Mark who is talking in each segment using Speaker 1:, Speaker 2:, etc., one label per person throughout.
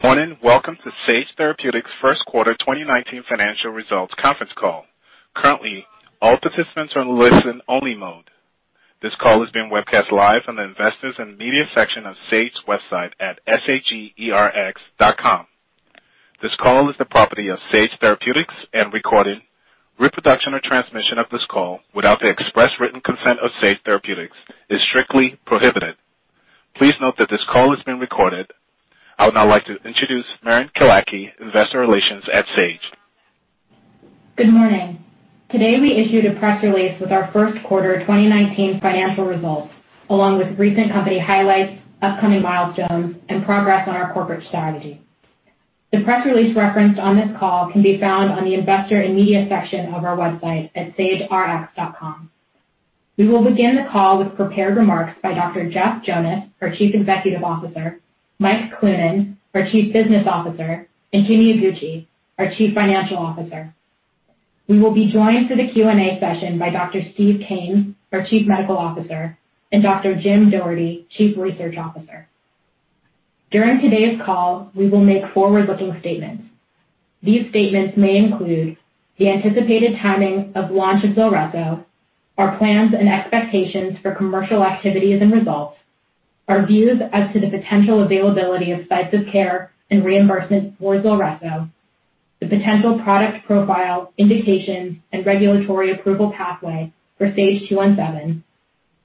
Speaker 1: Morning. Welcome to Sage Therapeutics' first quarter 2019 financial results conference call. Currently, all participants are in listen-only mode. This call is being webcast live from the Investors and Media section of Sage's website at sagerx.com. This call is the property of Sage Therapeutics and recording, reproduction or transmission of this call without the express written consent of Sage Therapeutics is strictly prohibited. Please note that this call is being recorded. I would now like to introduce Maren Killackey, investor relations at Sage.
Speaker 2: Good morning. Today, we issued a press release with our first quarter 2019 financial results, along with recent company highlights, upcoming milestones, and progress on our corporate strategy. The press release referenced on this call can be found on the Investor and Media section of our website at sagerx.com. We will begin the call with prepared remarks by Dr. Jeff Jonas, our chief executive officer, Mike Cloonan, our chief business officer, and Kimi Iguchi, our chief financial officer. We will be joined for the Q&A session by Dr. Steve Kanes, our chief medical officer, and Dr. Jim Doherty, chief research officer. During today's call, we will make forward-looking statements. These statements may include the anticipated timing of launch of ZULRESSO, our plans and expectations for commercial activities and results, our views as to the potential availability of sites of care and reimbursement for ZULRESSO, the potential product profile, indications, and regulatory approval pathway for SAGE-217,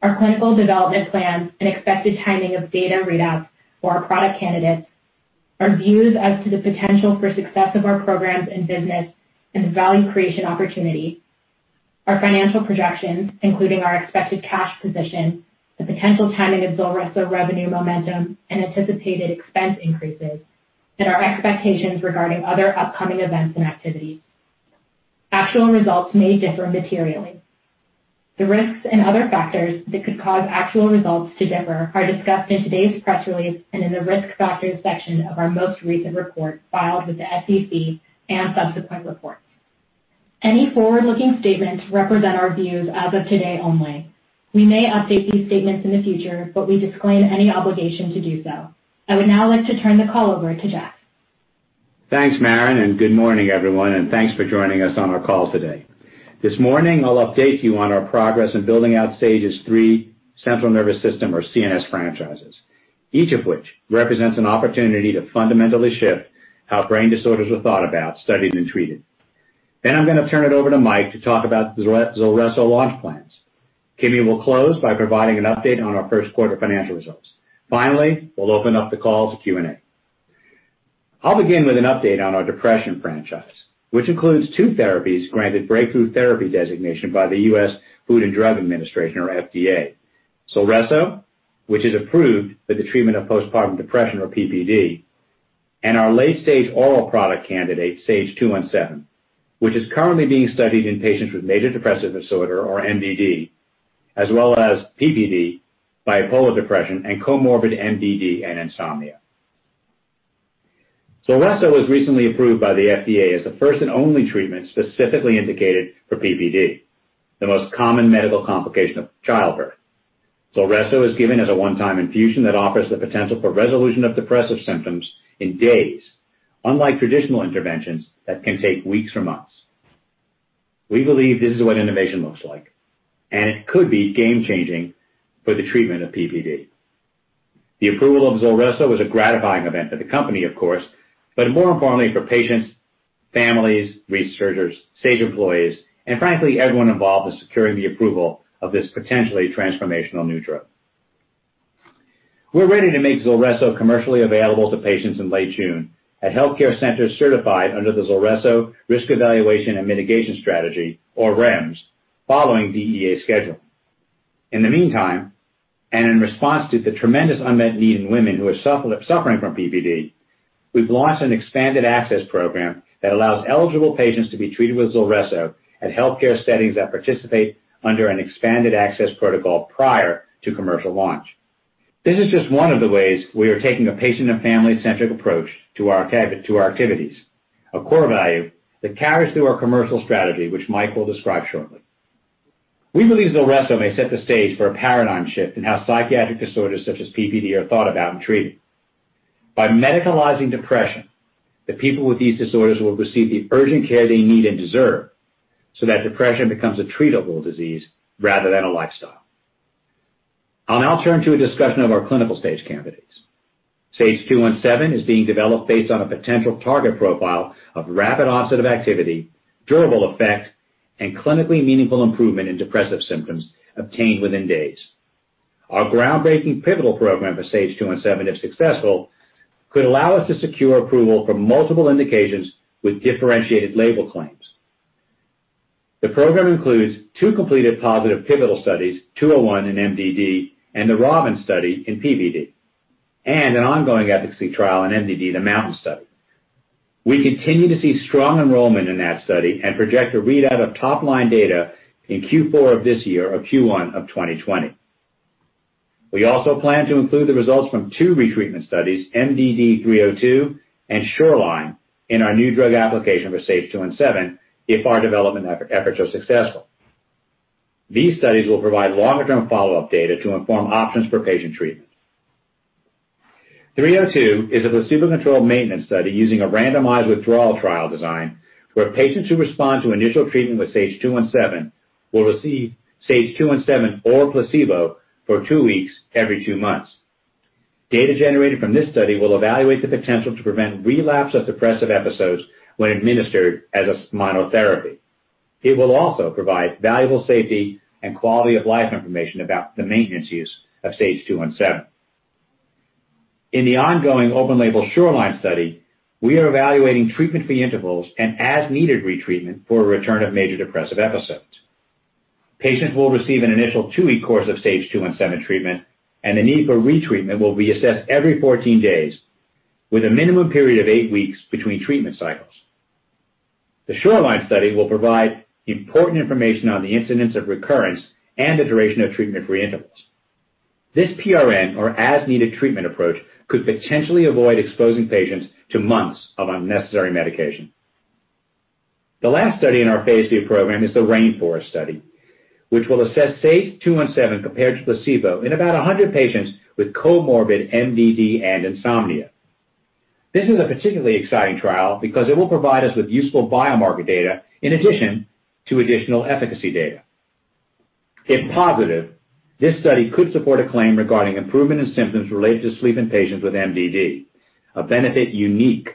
Speaker 2: our clinical development plans and expected timing of data readouts for our product candidates, our views as to the potential for success of our programs and business and the value creation opportunity, our financial projections, including our expected cash position, the potential timing of ZULRESSO revenue momentum, and anticipated expense increases, and our expectations regarding other upcoming events and activities. Actual results may differ materially. The risks and other factors that could cause actual results to differ are discussed in today's press release and in the Risk Factors section of our most recent report filed with the SEC and subsequent reports. Any forward-looking statements represent our views as of today only. We may update these statements in the future. We disclaim any obligation to do so. I would now like to turn the call over to Jeff.
Speaker 3: Thanks, Maren, and good morning, everyone, and thanks for joining us on our call today. This morning, I'll update you on our progress in building out Sage's three central nervous system or CNS franchises. Each of which represents an opportunity to fundamentally shift how brain disorders are thought about, studied, and treated. I'm going to turn it over to Mike to talk about ZULRESSO launch plans. Kimi will close by providing an update on our first quarter financial results. Finally, we'll open up the call to Q&A. I'll begin with an update on our depression franchise, which includes two therapies granted breakthrough therapy designation by the U.S. Food and Drug Administration or FDA. ZULRESSO, which is approved for the treatment of postpartum depression or PPD, and our late-stage oral product candidate, SAGE-217, which is currently being studied in patients with major depressive disorder or MDD, as well as PPD, bipolar depression, and comorbid MDD and insomnia. ZULRESSO was recently approved by the FDA as the first and only treatment specifically indicated for PPD, the most common medical complication of childbirth. ZULRESSO is given as a one-time infusion that offers the potential for resolution of depressive symptoms in days, unlike traditional interventions that can take weeks or months. We believe this is what innovation looks like, and it could be game-changing for the treatment of PPD. The approval of ZULRESSO was a gratifying event for the company, of course, but more importantly for patients, families, researchers, Sage employees, and frankly, everyone involved in securing the approval of this potentially transformational new drug. We're ready to make ZULRESSO commercially available to patients in late June at healthcare centers certified under the ZULRESSO Risk Evaluation and Mitigation Strategy or REMS following DEA schedule. In the meantime, in response to the tremendous unmet need in women who are suffering from PPD, we've launched an expanded access program that allows eligible patients to be treated with ZULRESSO at healthcare settings that participate under an expanded access protocol prior to commercial launch. This is just one of the ways we are taking a patient and family-centric approach to our activities. A core value that carries through our commercial strategy, which Mike will describe shortly. We believe ZULRESSO may set the stage for a paradigm shift in how psychiatric disorders such as PPD are thought about and treated. By medicalizing depression, the people with these disorders will receive the urgent care they need and deserve so that depression becomes a treatable disease rather than a lifestyle. I'll now turn to a discussion of our clinical stage candidates. SAGE-217 is being developed based on a potential target profile of rapid onset of activity, durable effect, and clinically meaningful improvement in depressive symptoms obtained within days. Our groundbreaking pivotal program for SAGE-217, if successful, could allow us to secure approval for multiple indications with differentiated label claims. The program includes two completed positive pivotal studies, 201 in MDD and the ROBIN Study in PPD, and an ongoing efficacy trial in MDD, the MOUNTAIN Study. We continue to see strong enrollment in that study and project a readout of top-line data in Q4 of this year or Q1 of 2020. We also plan to include the results from two retreatment studies, MDD-302 and SHORELINE in our new drug application for SAGE-217 if our development efforts are successful. These studies will provide longer-term follow-up data to inform options for patient treatment. MDD-302 is a placebo-controlled maintenance study using a randomized withdrawal trial design where patients who respond to initial treatment with SAGE-217 will receive SAGE-217 or a placebo for two weeks every two months. Data generated from this study will evaluate the potential to prevent relapse of depressive episodes when administered as monotherapy. It will also provide valuable safety and quality of life information about the maintenance use of SAGE-217. In the ongoing open-label SHORELINE Study, we are evaluating treatment-free intervals and as-needed retreatment for a return of major depressive episodes. Patients will receive an initial two-week course of SAGE-217 treatment, and the need for retreatment will be assessed every 14 days with a minimum period of eight weeks between treatment cycles. The SHORELINE Study will provide important information on the incidence of recurrence and the duration of treatment-free intervals. This PRN or as-needed treatment approach could potentially avoid exposing patients to months of unnecessary medication. The last study in our Phase II program is the RAINFOREST Study, which will assess SAGE-217 compared to placebo in about 100 patients with comorbid MDD and insomnia. This is a particularly exciting trial because it will provide us with useful biomarker data in addition to additional efficacy data. If positive, this study could support a claim regarding improvement in symptoms related to sleep in patients with MDD, a benefit unique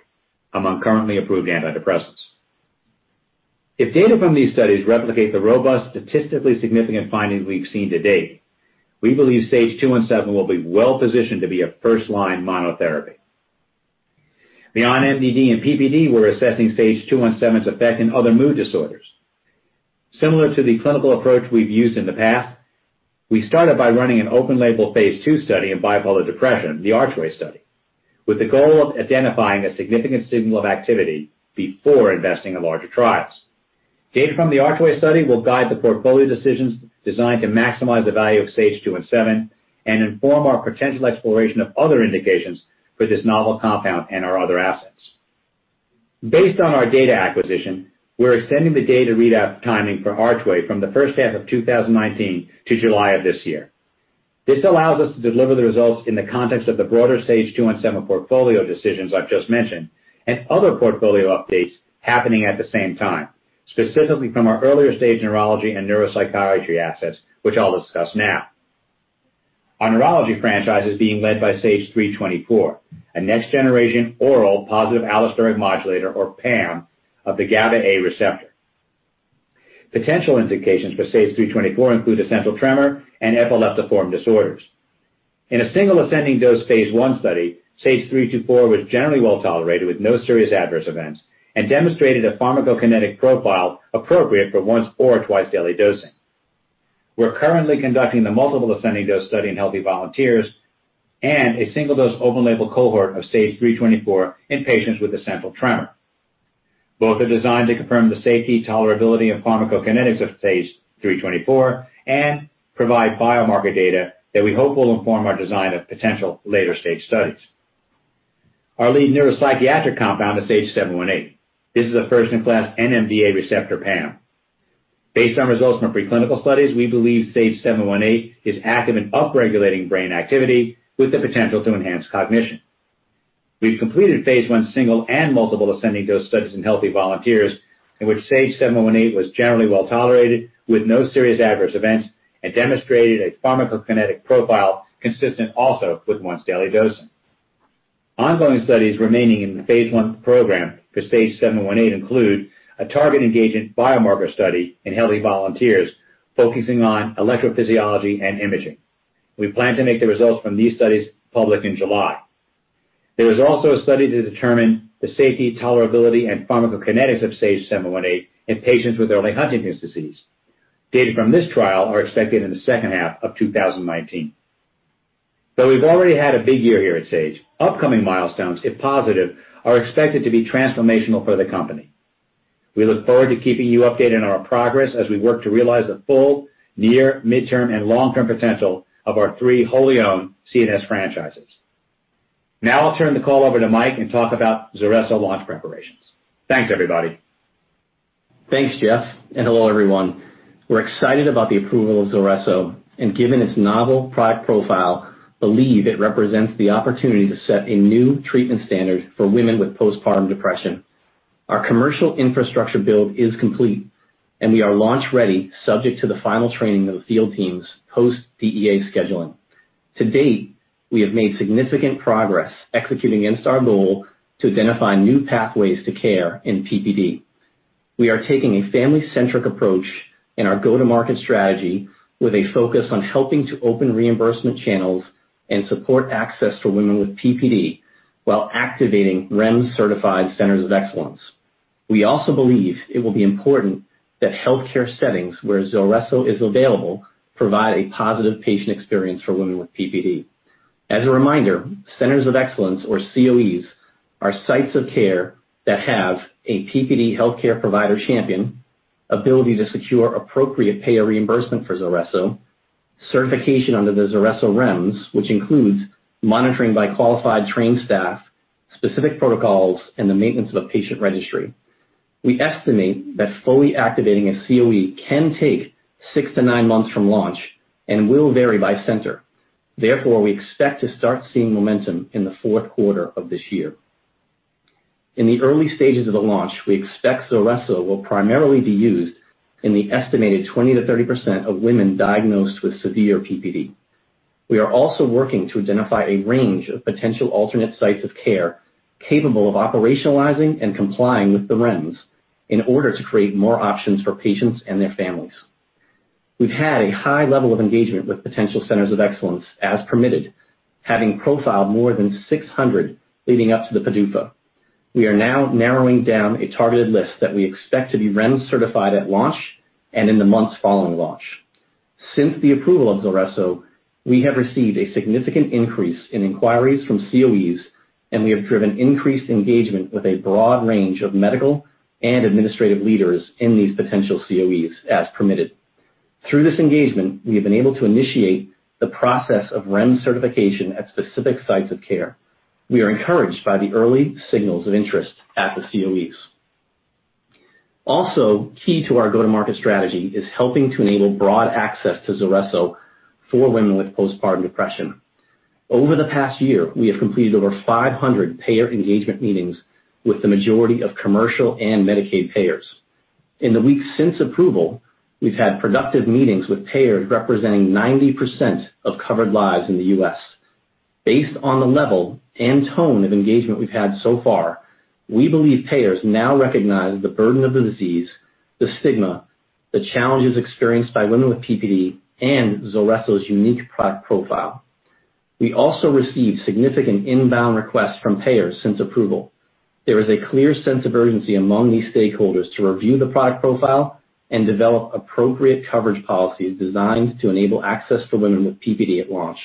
Speaker 3: among currently approved antidepressants. If data from these studies replicate the robust, statistically significant findings we've seen to date, we believe SAGE-217 will be well-positioned to be a first-line monotherapy. Beyond MDD and PPD, we're assessing SAGE-217's effect in other mood disorders. Similar to the clinical approach we've used in the past, we started by running an open-label Phase II study in bipolar depression, the ARCHWAY Study, with the goal of identifying a significant signal of activity before investing in larger trials. Data from the ARCHWAY Study will guide the portfolio decisions designed to maximize the value of SAGE-217 and inform our potential exploration of other indications for this novel compound and our other assets. Based on our data acquisition, we're extending the data readout timing for ARCHWAY from the first half of 2019 to July of this year. This allows us to deliver the results in the context of the broader SAGE-217 portfolio decisions I've just mentioned and other portfolio updates happening at the same time, specifically from our earlier-stage neurology and neuropsychiatry assets, which I'll discuss now. Our neurology franchise is being led by SAGE-324, a next-generation oral positive allosteric modulator or PAM of the GABAA receptor. Potential indications for SAGE-324 include essential tremor and epileptiform disorders. In a single ascending dose Phase I study, SAGE-324 was generally well-tolerated with no serious adverse events and demonstrated a pharmacokinetic profile appropriate for once or twice-daily dosing. We're currently conducting the multiple ascending dose study in healthy volunteers and a single-dose open-label cohort of SAGE-324 in patients with essential tremor. Both are designed to confirm the safety, tolerability, and pharmacokinetics of SAGE-324 and provide biomarker data that we hope will inform our design of potential later-stage studies. Our lead neuropsychiatric compound is SAGE-718. This is a first-in-class NMDA receptor PAM. Based on results from preclinical studies, we believe SAGE-718 is active in upregulating brain activity with the potential to enhance cognition. We've completed phase I single and multiple ascending dose studies in healthy volunteers, in which SAGE-718 was generally well-tolerated with no serious adverse events and demonstrated a pharmacokinetic profile consistent also with once-daily dosing. Ongoing studies remaining in the phase I program for SAGE-718 include a target engagement biomarker study in healthy volunteers focusing on electrophysiology and imaging. We plan to make the results from these studies public in July. There is also a study to determine the safety, tolerability, and pharmacokinetics of SAGE-718 in patients with early Huntington's disease. Data from this trial are expected in the second half of 2019. Though we've already had a big year here at Sage, upcoming milestones, if positive, are expected to be transformational for the company. We look forward to keeping you updated on our progress as we work to realize the full near, midterm, and long-term potential of our three wholly-owned CNS franchises. Now I'll turn the call over to Mike and talk about ZULRESSO launch preparations. Thanks, everybody.
Speaker 4: Thanks, Jeff, and hello, everyone. We're excited about the approval of ZULRESSO and, given its novel product profile, believe it represents the opportunity to set a new treatment standard for women with postpartum depression. Our commercial infrastructure build is complete, and we are launch-ready subject to the final training of the field teams post DEA scheduling. To date, we have made significant progress executing against our goal to identify new pathways to care in PPD. We are taking a family-centric approach in our go-to-market strategy with a focus on helping to open reimbursement channels and support access to women with PPD while activating REMS certified Centers of Excellence. We also believe it will be important that healthcare settings where ZULRESSO is available provide a positive patient experience for women with PPD. As a reminder, Centers of Excellence, or COEs, are sites of care that have a PPD healthcare provider champion, ability to secure appropriate payer reimbursement for ZULRESSO Certification under the ZULRESSO REMS, which includes monitoring by qualified trained staff, specific protocols, and the maintenance of a patient registry. We estimate that fully activating a COE can take six to nine months from launch and will vary by center. Therefore, we expect to start seeing momentum in the fourth quarter of this year. In the early stages of the launch, we expect ZULRESSO will primarily be used in the estimated 20%-30% of women diagnosed with severe PPD. We are also working to identify a range of potential alternate sites of care capable of operationalizing and complying with the REMS in order to create more options for patients and their families. We've had a high level of engagement with potential Centers of Excellence as permitted, having profiled more than 600 leading up to the PDUFA. We are now narrowing down a targeted list that we expect to be REMS certified at launch and in the months following launch. Since the approval of ZULRESSO, we have received a significant increase in inquiries from COEs, and we have driven increased engagement with a broad range of medical and administrative leaders in these potential COEs as permitted. Through this engagement, we have been able to initiate the process of REMS certification at specific sites of care. We are encouraged by the early signals of interest at the COEs. Also key to our go-to-market strategy is helping to enable broad access to ZULRESSO for women with postpartum depression. Over the past year, we have completed over 500 payer engagement meetings with the majority of commercial and Medicaid payers. In the weeks since approval, we've had productive meetings with payers representing 90% of covered lives in the U.S. Based on the level and tone of engagement we've had so far, we believe payers now recognize the burden of the disease, the stigma, the challenges experienced by women with PPD, and ZULRESSO's unique product profile. We also received significant inbound requests from payers since approval. There is a clear sense of urgency among these stakeholders to review the product profile and develop appropriate coverage policies designed to enable access for women with PPD at launch.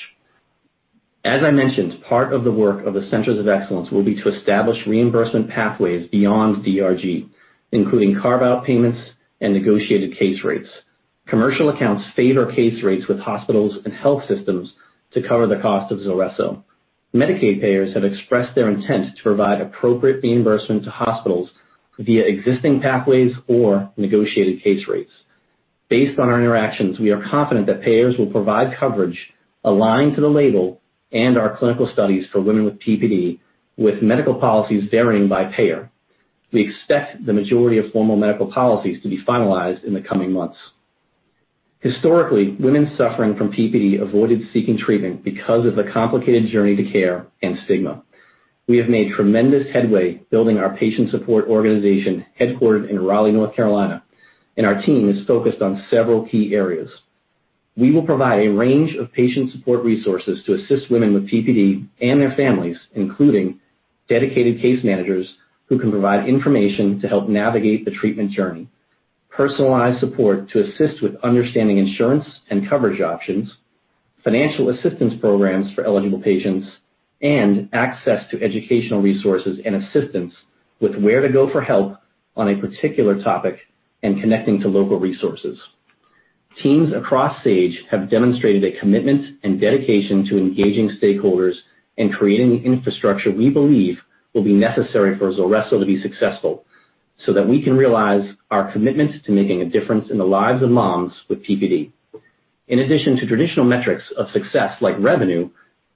Speaker 4: As I mentioned, part of the work of the Centers of Excellence will be to establish reimbursement pathways beyond DRG, including carve-out payments and negotiated case rates. Commercial accounts favor case rates with hospitals and health systems to cover the cost of ZULRESSO. Medicaid payers have expressed their intent to provide appropriate reimbursement to hospitals via existing pathways or negotiated case rates. Based on our interactions, we are confident that payers will provide coverage aligned to the label and our clinical studies for women with PPD, with medical policies varying by payer. We expect the majority of formal medical policies to be finalized in the coming months. Historically, women suffering from PPD avoided seeking treatment because of the complicated journey to care and stigma. We have made tremendous headway building our patient support organization headquartered in Raleigh, North Carolina, and our team is focused on several key areas. We will provide a range of patient support resources to assist women with PPD and their families, including dedicated case managers who can provide information to help navigate the treatment journey, personalized support to assist with understanding insurance and coverage options, financial assistance programs for eligible patients, and access to educational resources and assistance with where to go for help on a particular topic and connecting to local resources. Teams across Sage have demonstrated a commitment and dedication to engaging stakeholders and creating the infrastructure we believe will be necessary for ZULRESSO to be successful so that we can realize our commitment to making a difference in the lives of moms with PPD. In addition to traditional metrics of success like revenue,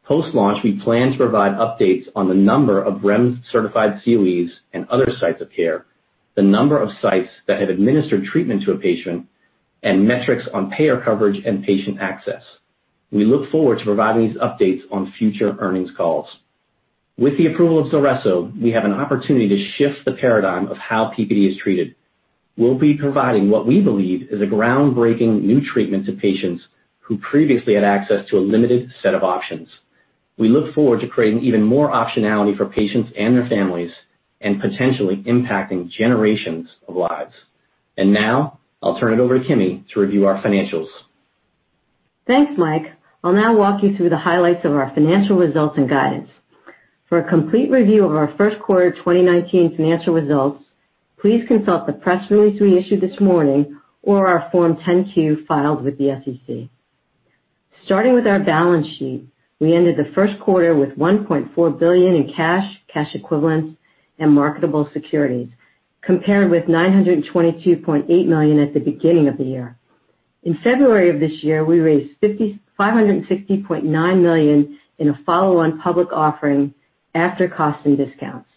Speaker 4: post-launch, we plan to provide updates on the number of REMS-certified COEs and other sites of care, the number of sites that have administered treatment to a patient, and metrics on payer coverage and patient access. We look forward to providing these updates on future earnings calls. With the approval of ZULRESSO, we have an opportunity to shift the paradigm of how PPD is treated. We'll be providing what we believe is a groundbreaking new treatment to patients who previously had access to a limited set of options. We look forward to creating even more optionality for patients and their families and potentially impacting generations of lives. Now I'll turn it over to Kimi to review our financials.
Speaker 5: Thanks, Mike. I'll now walk you through the highlights of our financial results and guidance. For a complete review of our first quarter 2019 financial results, please consult the press release we issued this morning or our Form 10-Q filed with the SEC. Starting with our balance sheet, we ended the first quarter with $1.4 billion in cash equivalents, and marketable securities, compared with $922.8 million at the beginning of the year. In February of this year, we raised $560.9 million in a follow-on public offering after cost and discounts.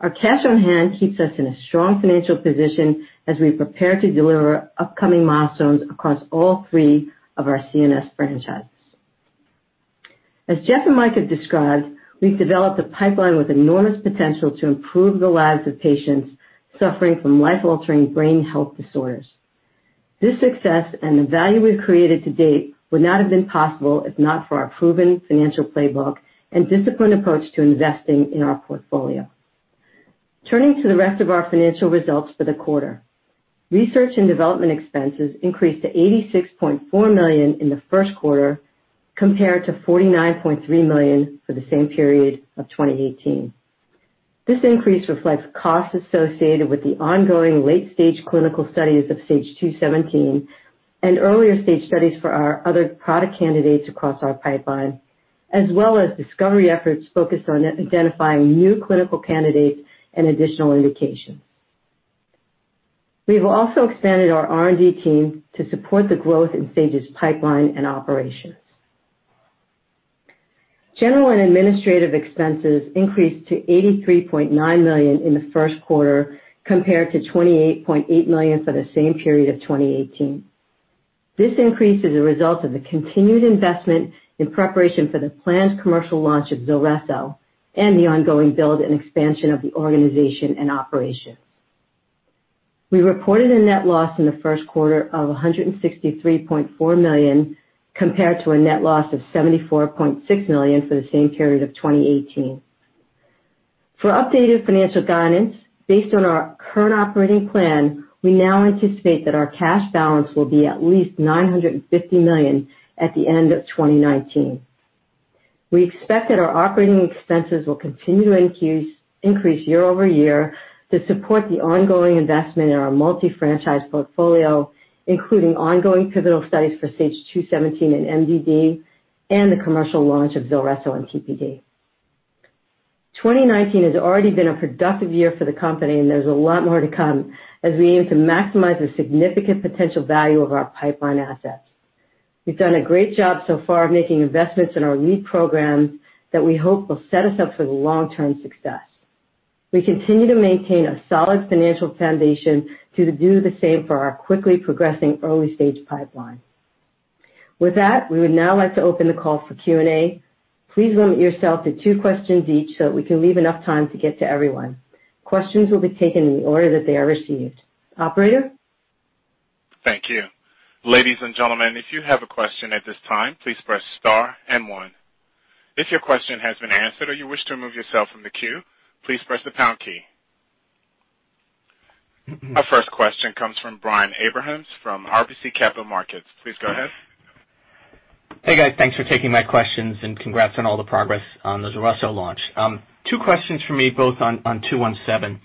Speaker 5: Our cash on hand keeps us in a strong financial position as we prepare to deliver upcoming milestones across all three of our CNS franchises. As Jeff and Mike have described, we've developed a pipeline with enormous potential to improve the lives of patients suffering from life-altering brain health disorders. This success and the value we've created to date would not have been possible if not for our proven financial playbook and disciplined approach to investing in our portfolio. Turning to the rest of our financial results for the quarter. Research and development expenses increased to $86.4 million in the first quarter compared to $49.3 million for the same period of 2018. This increase reflects costs associated with the ongoing late-stage clinical studies of SAGE-217 and earlier stage studies for our other product candidates across our pipeline, as well as discovery efforts focused on identifying new clinical candidates and additional indications. We've also expanded our R&D team to support the growth in Sage's pipeline and operations. General and administrative expenses increased to $83.9 million in the first quarter, compared to $28.8 million for the same period of 2018. This increase is a result of the continued investment in preparation for the planned commercial launch of ZULRESSO and the ongoing build and expansion of the organization and operations. We reported a net loss in the first quarter of $163.4 million, compared to a net loss of $74.6 million for the same period of 2018. For updated financial guidance, based on our current operating plan, we now anticipate that our cash balance will be at least $950 million at the end of 2019. We expect that our operating expenses will continue to increase year-over-year to support the ongoing investment in our multi-franchise portfolio, including ongoing pivotal studies for SAGE-217 and MDD and the commercial launch of ZULRESSO and PPD. 2019 has already been a productive year for the company, there's a lot more to come as we aim to maximize the significant potential value of our pipeline assets. We've done a great job so far making investments in our lead program that we hope will set us up for the long-term success. We continue to maintain a solid financial foundation to do the same for our quickly progressing early-stage pipeline. With that, we would now like to open the call for Q&A. Please limit yourself to two questions each, so we can leave enough time to get to everyone. Questions will be taken in the order that they are received. Operator?
Speaker 1: Thank you. Ladies and gentlemen, if you have a question at this time, please press star one. If your question has been answered or you wish to remove yourself from the queue, please press the pound key. Our first question comes from Brian Abrahams from RBC Capital Markets. Please go ahead.
Speaker 6: Hey, guys. Thanks for taking my questions, congrats on all the progress on the ZULRESSO launch. Two questions from me, both on 217.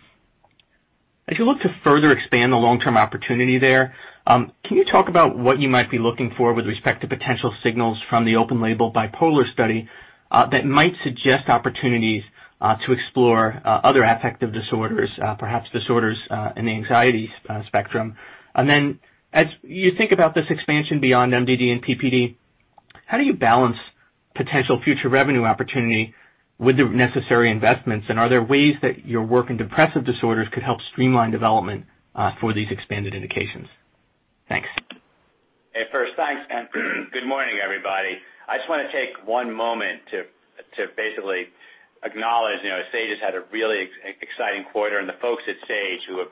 Speaker 6: As you look to further expand the long-term opportunity there, can you talk about what you might be looking for with respect to potential signals from the open-label bipolar study that might suggest opportunities to explore other affective disorders, perhaps disorders in the anxiety spectrum? Then, as you think about this expansion beyond MDD and PPD, how do you balance potential future revenue opportunity with the necessary investments? Are there ways that your work in depressive disorders could help streamline development for these expanded indications? Thanks.
Speaker 3: Hey, first, thanks, good morning, everybody. I just want to take one moment to basically acknowledge Sage has had a really exciting quarter, the folks at Sage who have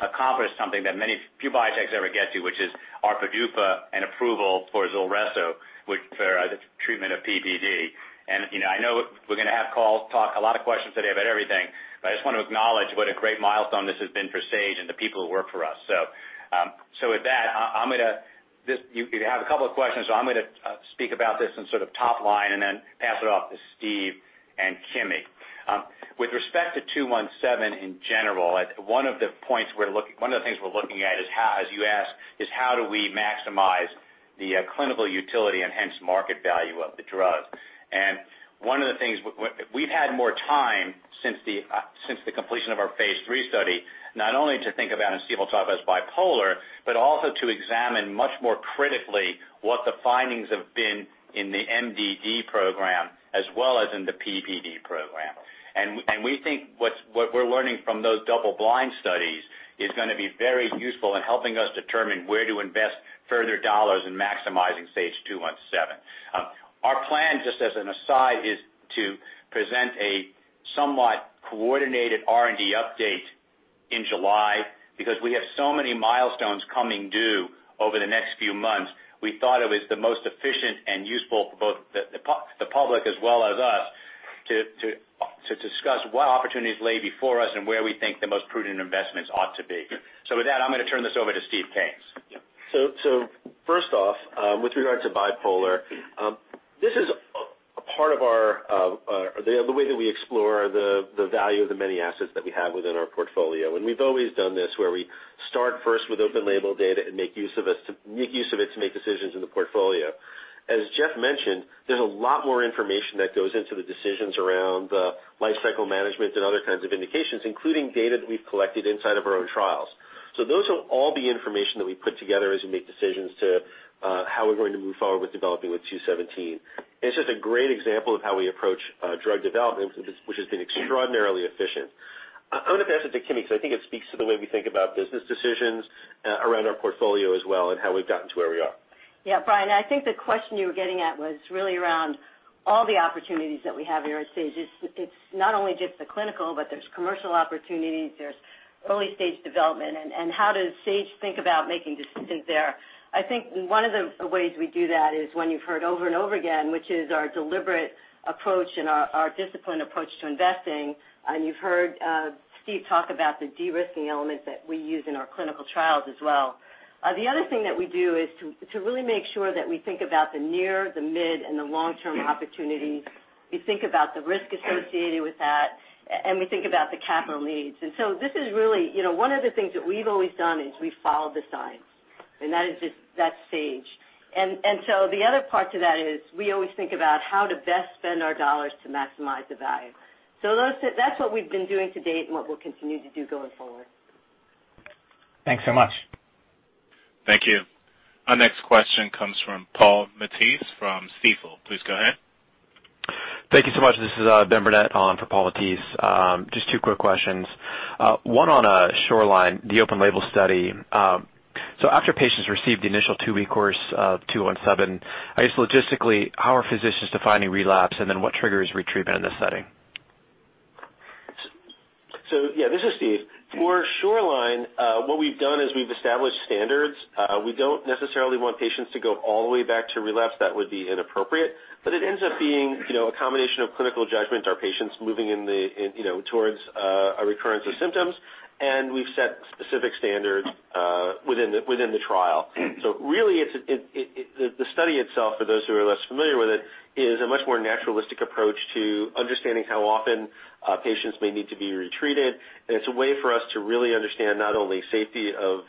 Speaker 3: accomplished something that very few biotechs ever get to, which is our PDUFA and approval for ZULRESSO for the treatment of PPD. I know we're going to have calls, talk, a lot of questions today about everything, but I just want to acknowledge what a great milestone this has been for Sage and the people who work for us. With that, you have a couple of questions, I'm going to speak about this in sort of top line and then pass it off to Steve and Kimi. With respect to 217 in general, one of the things we're looking at, as you asked, is how do we maximize the clinical utility and hence market value of the drug. One of the things, we've had more time since the completion of our phase III study, not only to think about, and Steve will talk about this, bipolar, but also to examine much more critically what the findings have been in the MDD program as well as in the PPD program. We think what we're learning from those double-blind studies is going to be very useful in helping us determine where to invest further dollars in maximizing SAGE-217. Our plan, just as an aside, is to present a somewhat coordinated R&D update in July. Because we have so many milestones coming due over the next few months, we thought it was the most efficient and useful for both the public as well as us to discuss what opportunities lay before us and where we think the most prudent investments ought to be. With that, I'm going to turn this over to Steve Kanes.
Speaker 7: First off, with regards to bipolar, this is a part of the way that we explore the value of the many assets that we have within our portfolio. We've always done this, where we start first with open label data and make use of it to make decisions in the portfolio. As Jeff mentioned, there's a lot more information that goes into the decisions around the life cycle management and other kinds of indications, including data that we've collected inside of our own trials. Those will all be information that we put together as we make decisions to how we're going to move forward with developing with 217. It's just a great example of how we approach drug development, which has been extraordinarily efficient. I'm going to pass it to Kimi because I think it speaks to the way we think about business decisions around our portfolio as well and how we've gotten to where we are.
Speaker 5: Yeah, Brian, I think the question you were getting at was really around all the opportunities that we have here at Sage. It's not only just the clinical, but there's commercial opportunities. There's early-stage development, and how does Sage think about making decisions there? I think one of the ways we do that is one you've heard over and over again, which is our deliberate approach and our disciplined approach to investing. You've heard Steve talk about the de-risking elements that we use in our clinical trials as well. The other thing that we do is to really make sure that we think about the near, the mid, and the long-term opportunities. We think about the risk associated with that, and we think about the capital needs. This is really one of the things that we've always done is we've followed the science
Speaker 7: That is just, that's Sage. The other part to that is we always think about how to best spend our dollars to maximize the value. That's what we've been doing to date and what we'll continue to do going forward.
Speaker 8: Thanks so much.
Speaker 1: Thank you. Our next question comes from Paul Matteis from Stifel. Please go ahead.
Speaker 8: Thank you so much. This is Ben Burnett on for Paul Matteis. Just two quick questions. One on SHORELINE, the open-label study. After patients received the initial two-week course of 217, I guess logistically, how are physicians defining relapse, what triggers retreatment in this setting?
Speaker 7: Yeah, this is Steve. For SHORELINE, what we've done is we've established standards. We don't necessarily want patients to go all the way back to relapse. That would be inappropriate. It ends up being a combination of clinical judgment, our patients moving towards a recurrence of symptoms. We've set specific standards within the trial. Really it's the study itself, for those who are less familiar with it, is a much more naturalistic approach to understanding how often patients may need to be retreated. It's a way for us to really understand not only safety of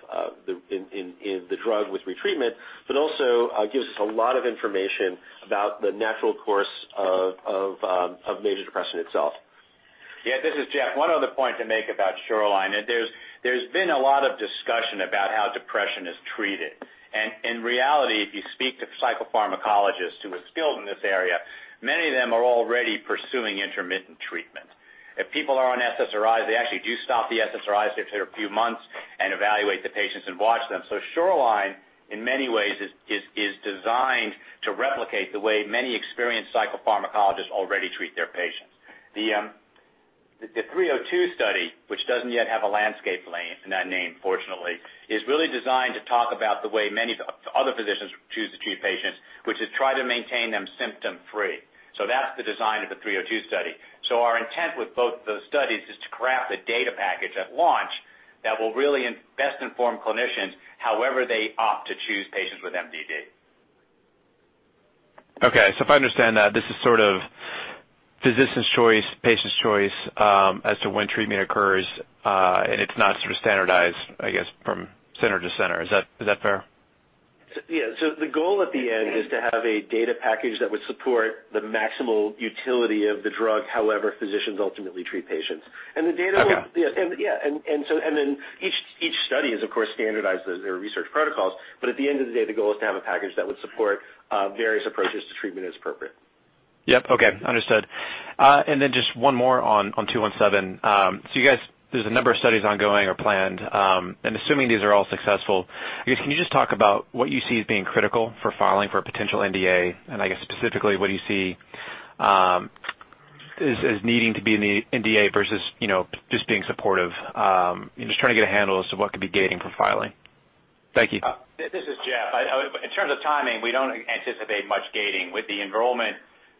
Speaker 7: the drug with retreatment, but also gives us a lot of information about the natural course of major depression itself.
Speaker 3: Yeah, this is Jeff. One other point to make about SHORELINE, there's been a lot of discussion about how depression is treated. In reality, if you speak to psychopharmacologists who are skilled in this area, many of them are already pursuing intermittent treatment. If people are on SSRIs, they actually do stop the SSRIs after a few months and evaluate the patients and watch them. SHORELINE, in many ways, is designed to replicate the way many experienced psychopharmacologists already treat their patients. The 302 study, which doesn't yet have a landscape lane in that name, fortunately, is really designed to talk about the way many of the other physicians choose to treat patients, which is try to maintain them symptom-free. That's the design of the 302 study. Our intent with both those studies is to craft a data package at launch that will really best inform clinicians however they opt to choose patients with MDD.
Speaker 8: Okay. If I understand that, this is sort of physician's choice, patient's choice, as to when treatment occurs, it's not sort of standardized, I guess, from center to center. Is that fair?
Speaker 7: Yeah. The goal at the end is to have a data package that would support the maximal utility of the drug however physicians ultimately treat patients. The data will-
Speaker 8: Okay.
Speaker 7: Yeah. Each study is of course standardized as their research protocols. At the end of the day, the goal is to have a package that would support various approaches to treatment as appropriate.
Speaker 8: Yep. Okay. Understood. Just one more on 217. You guys, there's a number of studies ongoing or planned. Assuming these are all successful, I guess, can you just talk about what you see as being critical for filing for a potential NDA? I guess specifically, what do you see is needing to be in the NDA versus just being supportive? I'm just trying to get a handle as to what could be gating for filing. Thank you.
Speaker 3: This is Jeff. In terms of timing, we don't anticipate much gating. With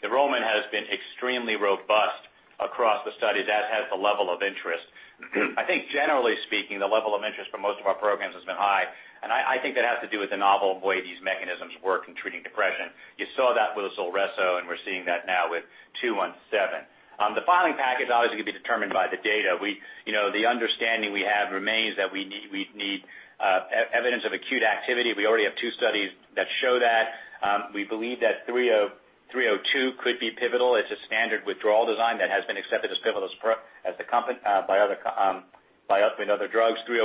Speaker 3: the enrollment has been extremely robust across the studies, as has the level of interest. I think generally speaking, the level of interest for most of our programs has been high, and I think that has to do with the novel way these mechanisms work in treating depression. You saw that with ZULRESSO, and we're seeing that now with 217. The filing package obviously is going to be determined by the data. The understanding we have remains that we need evidence of acute activity. We already have two studies that show that. We believe that 302 could be pivotal. It's a standard withdrawal design that has been accepted as pivotal by other drugs.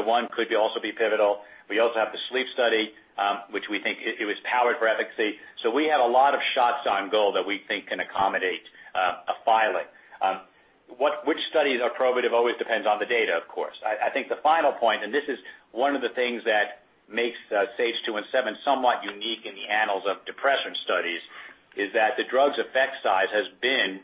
Speaker 3: MOUNTAIN could be also be pivotal.
Speaker 7: We also have the sleep study, which we think it was powered for efficacy. We have a lot of shots on goal that we think can accommodate a filing. Which studies are probative always depends on the data, of course. I think the final point, and this is one of the things that makes SAGE-217 somewhat unique in the annals of depression studies, is that the drug's effect size has been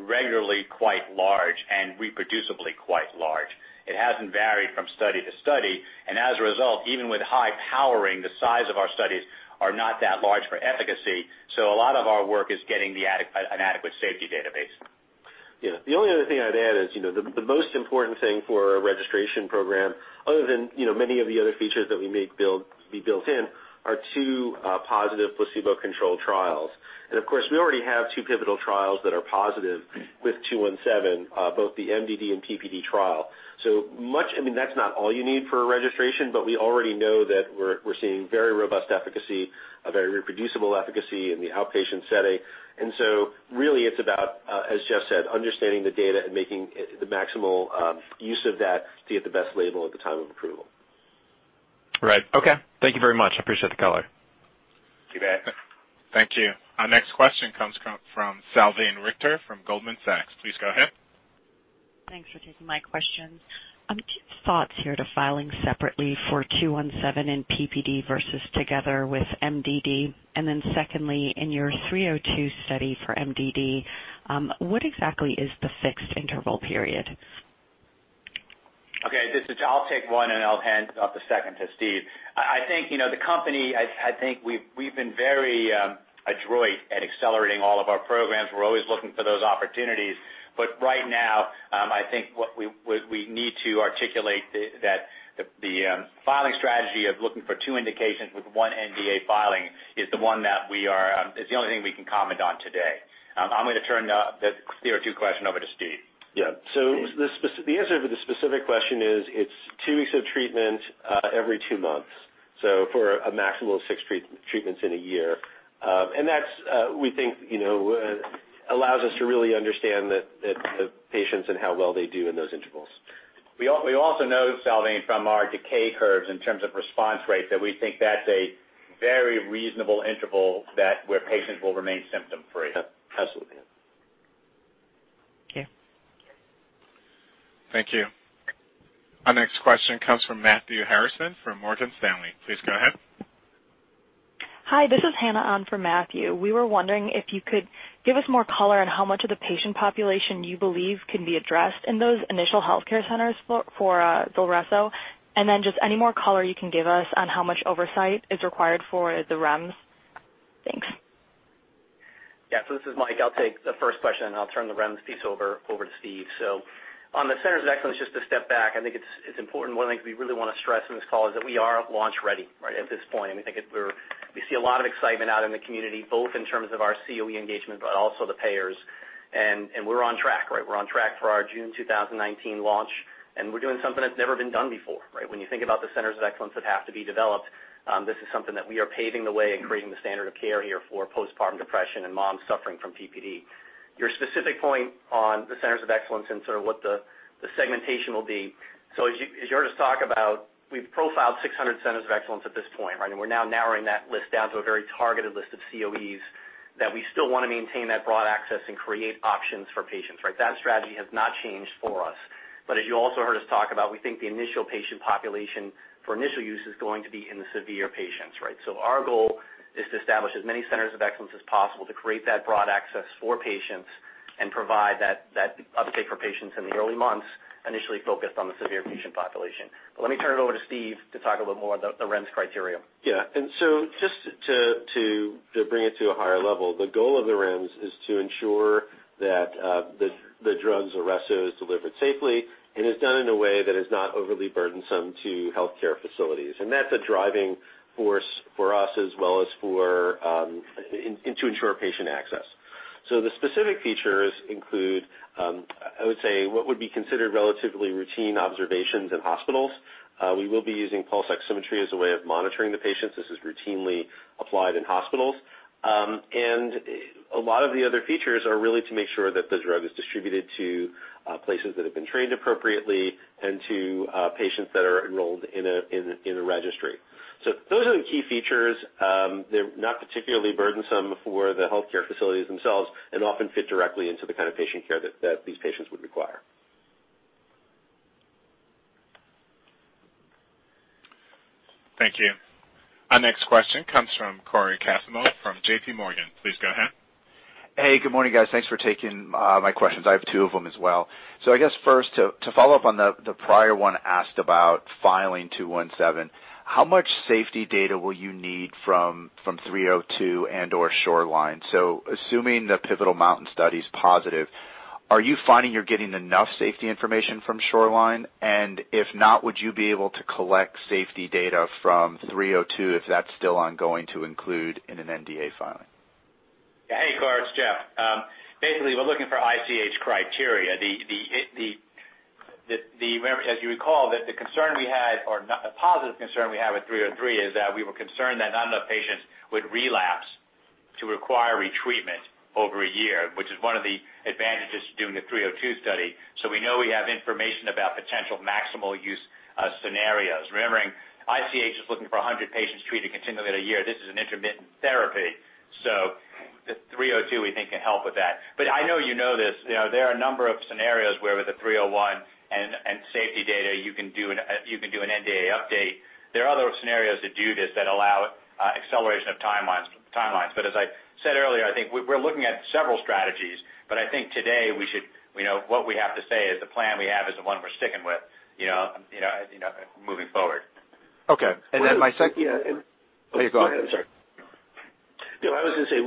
Speaker 7: regularly quite large and reproducibly quite large. It hasn't varied from study to study. As a result, even with high powering, the size of our studies are not that large for efficacy. A lot of our work is getting an adequate safety database. Yeah. The only other thing I'd add is the most important thing for a registration program other than many of the other features that we may be built in are two positive placebo-controlled trials. Of course, we already have two pivotal trials that are positive with SAGE-217, both the MDD and PPD trial. I mean, that's not all you need for a registration, but we already know that we're seeing very robust efficacy, a very reproducible efficacy in the outpatient setting. Really it's about, as Jeff said, understanding the data and making the maximal use of that to get the best label at the time of approval.
Speaker 8: Right. Okay. Thank you very much. I appreciate the color.
Speaker 7: You bet.
Speaker 1: Thank you. Our next question comes from Salveen Richter from Goldman Sachs. Please go ahead.
Speaker 9: Thanks for taking my questions. Two thoughts here to filing separately for 217 and PPD versus together with MDD. Secondly, in your 302 study for MDD, what exactly is the fixed interval period?
Speaker 3: Okay. This is Jeff. I'll take one, and I'll hand off the second to Steve. I think we've been very adroit at accelerating all of our programs. We're always looking for those opportunities. Right now, I think what we need to articulate that the filing strategy of looking for two indications with one NDA filing is the only thing we can comment on today. I'm going to turn the 302 question over to Steve. Yeah. The answer to the specific question is it's two weeks of treatment every two months. For a maximum of six treatments in a year.
Speaker 7: That, we think allows us to really understand the patients and how well they do in those intervals. We also know, Salveen, from our decay curves in terms of response rate, that we think that's a very reasonable interval where patients will remain symptom-free. Absolutely. Okay.
Speaker 1: Thank you. Our next question comes from Matthew Harrison from Morgan Stanley. Please go ahead.
Speaker 10: Hi, this is Hannah on for Matthew. We were wondering if you could give us more color on how much of the patient population you believe can be addressed in those initial healthcare centers for ZULRESSO, and then just any more color you can give us on how much oversight is required for the REMS. Thanks.
Speaker 4: Yeah. This is Mike. I'll take the first question, and I'll turn the REMS piece over to Steve. On the Centers of Excellence, just to step back, I think it's important, one of the things we really want to stress in this call is that we are launch-ready at this point. We think we see a lot of excitement out in the community, both in terms of our COE engagement, but also the payers. We're on track. We're on track for our June 2019 launch, and we're doing something that's never been done before. When you think about the Centers of Excellence that have to be developed, this is something that we are paving the way and creating the standard of care here for postpartum depression and moms suffering from PPD. Your specific point on the Centers of Excellence and sort of what the segmentation will be. As you heard us talk about, we've profiled 600 Centers of Excellence at this point. We're now narrowing that list down to a very targeted list of COEs that we still want to maintain that broad access and create options for patients. That strategy has not changed for us. As you also heard us talk about, we think the initial patient population for initial use is going to be in the severe patients. Our goal is to establish as many Centers of Excellence as possible to create that broad access for patients and provide that uptake for patients in the early months, initially focused on the severe patient population. Let me turn it over to Steve to talk a little more about the REMS criteria.
Speaker 7: Just to bring it to a higher level, the goal of the REMS is to ensure that the drug ZULRESSO is delivered safely and is done in a way that is not overly burdensome to healthcare facilities. That's a driving force for us as well as to ensure patient access. The specific features include, I would say, what would be considered relatively routine observations in hospitals. We will be using pulse oximetry as a way of monitoring the patients. This is routinely applied in hospitals. A lot of the other features are really to make sure that this drug is distributed to places that have been trained appropriately and to patients that are enrolled in a registry. Those are the key features. They're not particularly burdensome for the healthcare facilities themselves and often fit directly into the kind of patient care that these patients would require.
Speaker 1: Thank you. Our next question comes from Cory Kasimov from J.P. Morgan. Please go ahead.
Speaker 11: Hey, good morning, guys. Thanks for taking my questions. I have two of them as well. I guess first, to follow up on the prior one asked about filing 217. How much safety data will you need from 302 and/or SHORELINE? Assuming the pivotal MOUNTAIN Study's positive, are you finding you're getting enough safety information from SHORELINE? If not, would you be able to collect safety data from 302 if that's still ongoing to include in an NDA filing?
Speaker 3: Hey, Cory. It's Jeff. We're looking for ICH criteria. As you recall, the positive concern we have with SHORELINE is that we were concerned that not enough patients would relapse to require retreatment over a year, which is one of the advantages to doing the 302 study. We know we have information about potential maximal use scenarios. Remembering, ICH is looking for 100 patients treated continually in a year. This is an intermittent therapy. The 302, we think, can help with that. I know you know this. There are a number of scenarios where with the MOUNTAIN and safety data, you can do an NDA update. There are other scenarios that do this that allow acceleration of timelines. As I said earlier, I think we're looking at several strategies. I think today what we have to say is the plan we have is the one we're sticking with moving forward.
Speaker 11: Okay. My second-
Speaker 7: Yeah. Please go ahead. Sorry. I was going to say,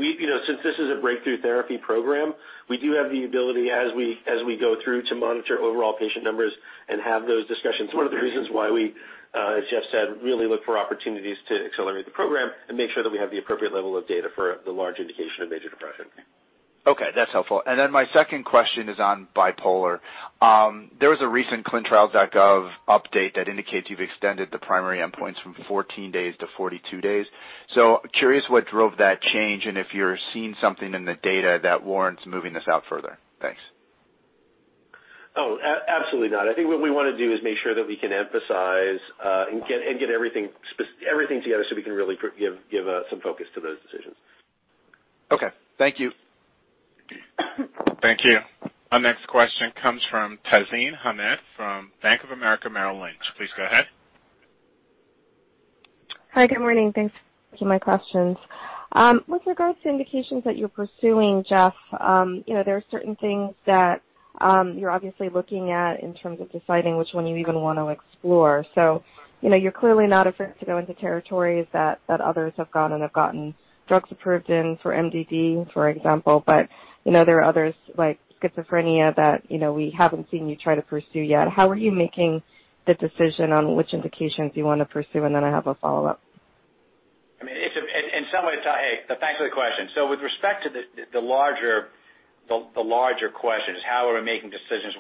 Speaker 7: since this is a Breakthrough Therapy Program, we do have the ability as we go through to monitor overall patient numbers and have those discussions. One of the reasons why we, as Jeff said, really look for opportunities to accelerate the program and make sure that we have the appropriate level of data for the large indication of major depression.
Speaker 11: That's helpful. My second question is on bipolar. There was a recent clinicaltrials.gov update that indicates you've extended the primary endpoints from 14 days to 42 days. Curious what drove that change and if you're seeing something in the data that warrants moving this out further. Thanks.
Speaker 7: Absolutely not. I think what we want to do is make sure that we can emphasize and get everything together so we can really give some focus to those decisions.
Speaker 11: Okay. Thank you.
Speaker 1: Thank you. Our next question comes from Tazeen Ahmad from Bank of America Merrill Lynch. Please go ahead.
Speaker 12: Hi. Good morning. Thanks for taking my questions. With regards to indications that you're pursuing, Jeff, there are certain things that you're obviously looking at in terms of deciding which one you even want to explore. You're clearly not afraid to go into territories that others have gone and have gotten drugs approved in for MDD, for example. There are others like schizophrenia that we haven't seen you try to pursue yet. How are you making the decision on which indications you want to pursue? I have a follow-up.
Speaker 3: In some ways, Tazeen, thanks for the question. With respect to the larger The larger question is how are we making decisions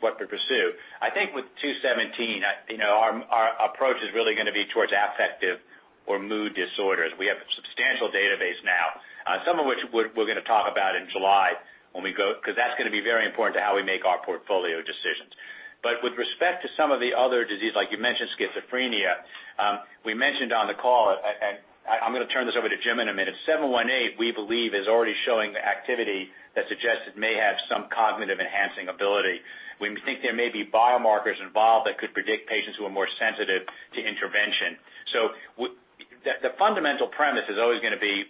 Speaker 3: what to pursue? I think with 217, our approach is really going to be towards affective or mood disorders. We have a substantial database now, some of which we're going to talk about in July, because that's going to be very important to how we make our portfolio decisions. With respect to some of the other diseases, like you mentioned, schizophrenia, we mentioned on the call, and I'm going to turn this over to Jim in a minute, 718, we believe, is already showing the activity that suggests it may have some cognitive enhancing ability. We think there may be biomarkers involved that could predict patients who are more sensitive to intervention. The fundamental premise is always going to be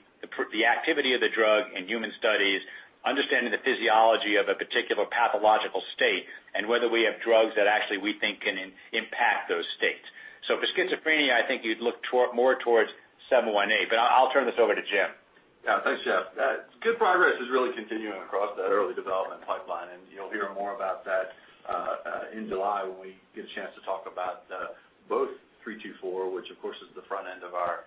Speaker 3: the activity of the drug in human studies, understanding the physiology of a particular pathological state, and whether we have drugs that actually we think can impact those states. For schizophrenia, I think you'd look more towards 718, I'll turn this over to Jim.
Speaker 13: Yeah, thanks, Jeff. Good progress is really continuing across the early development pipeline, and you'll hear more about that in July when we get a chance to talk about both 324, which of course is the front end of our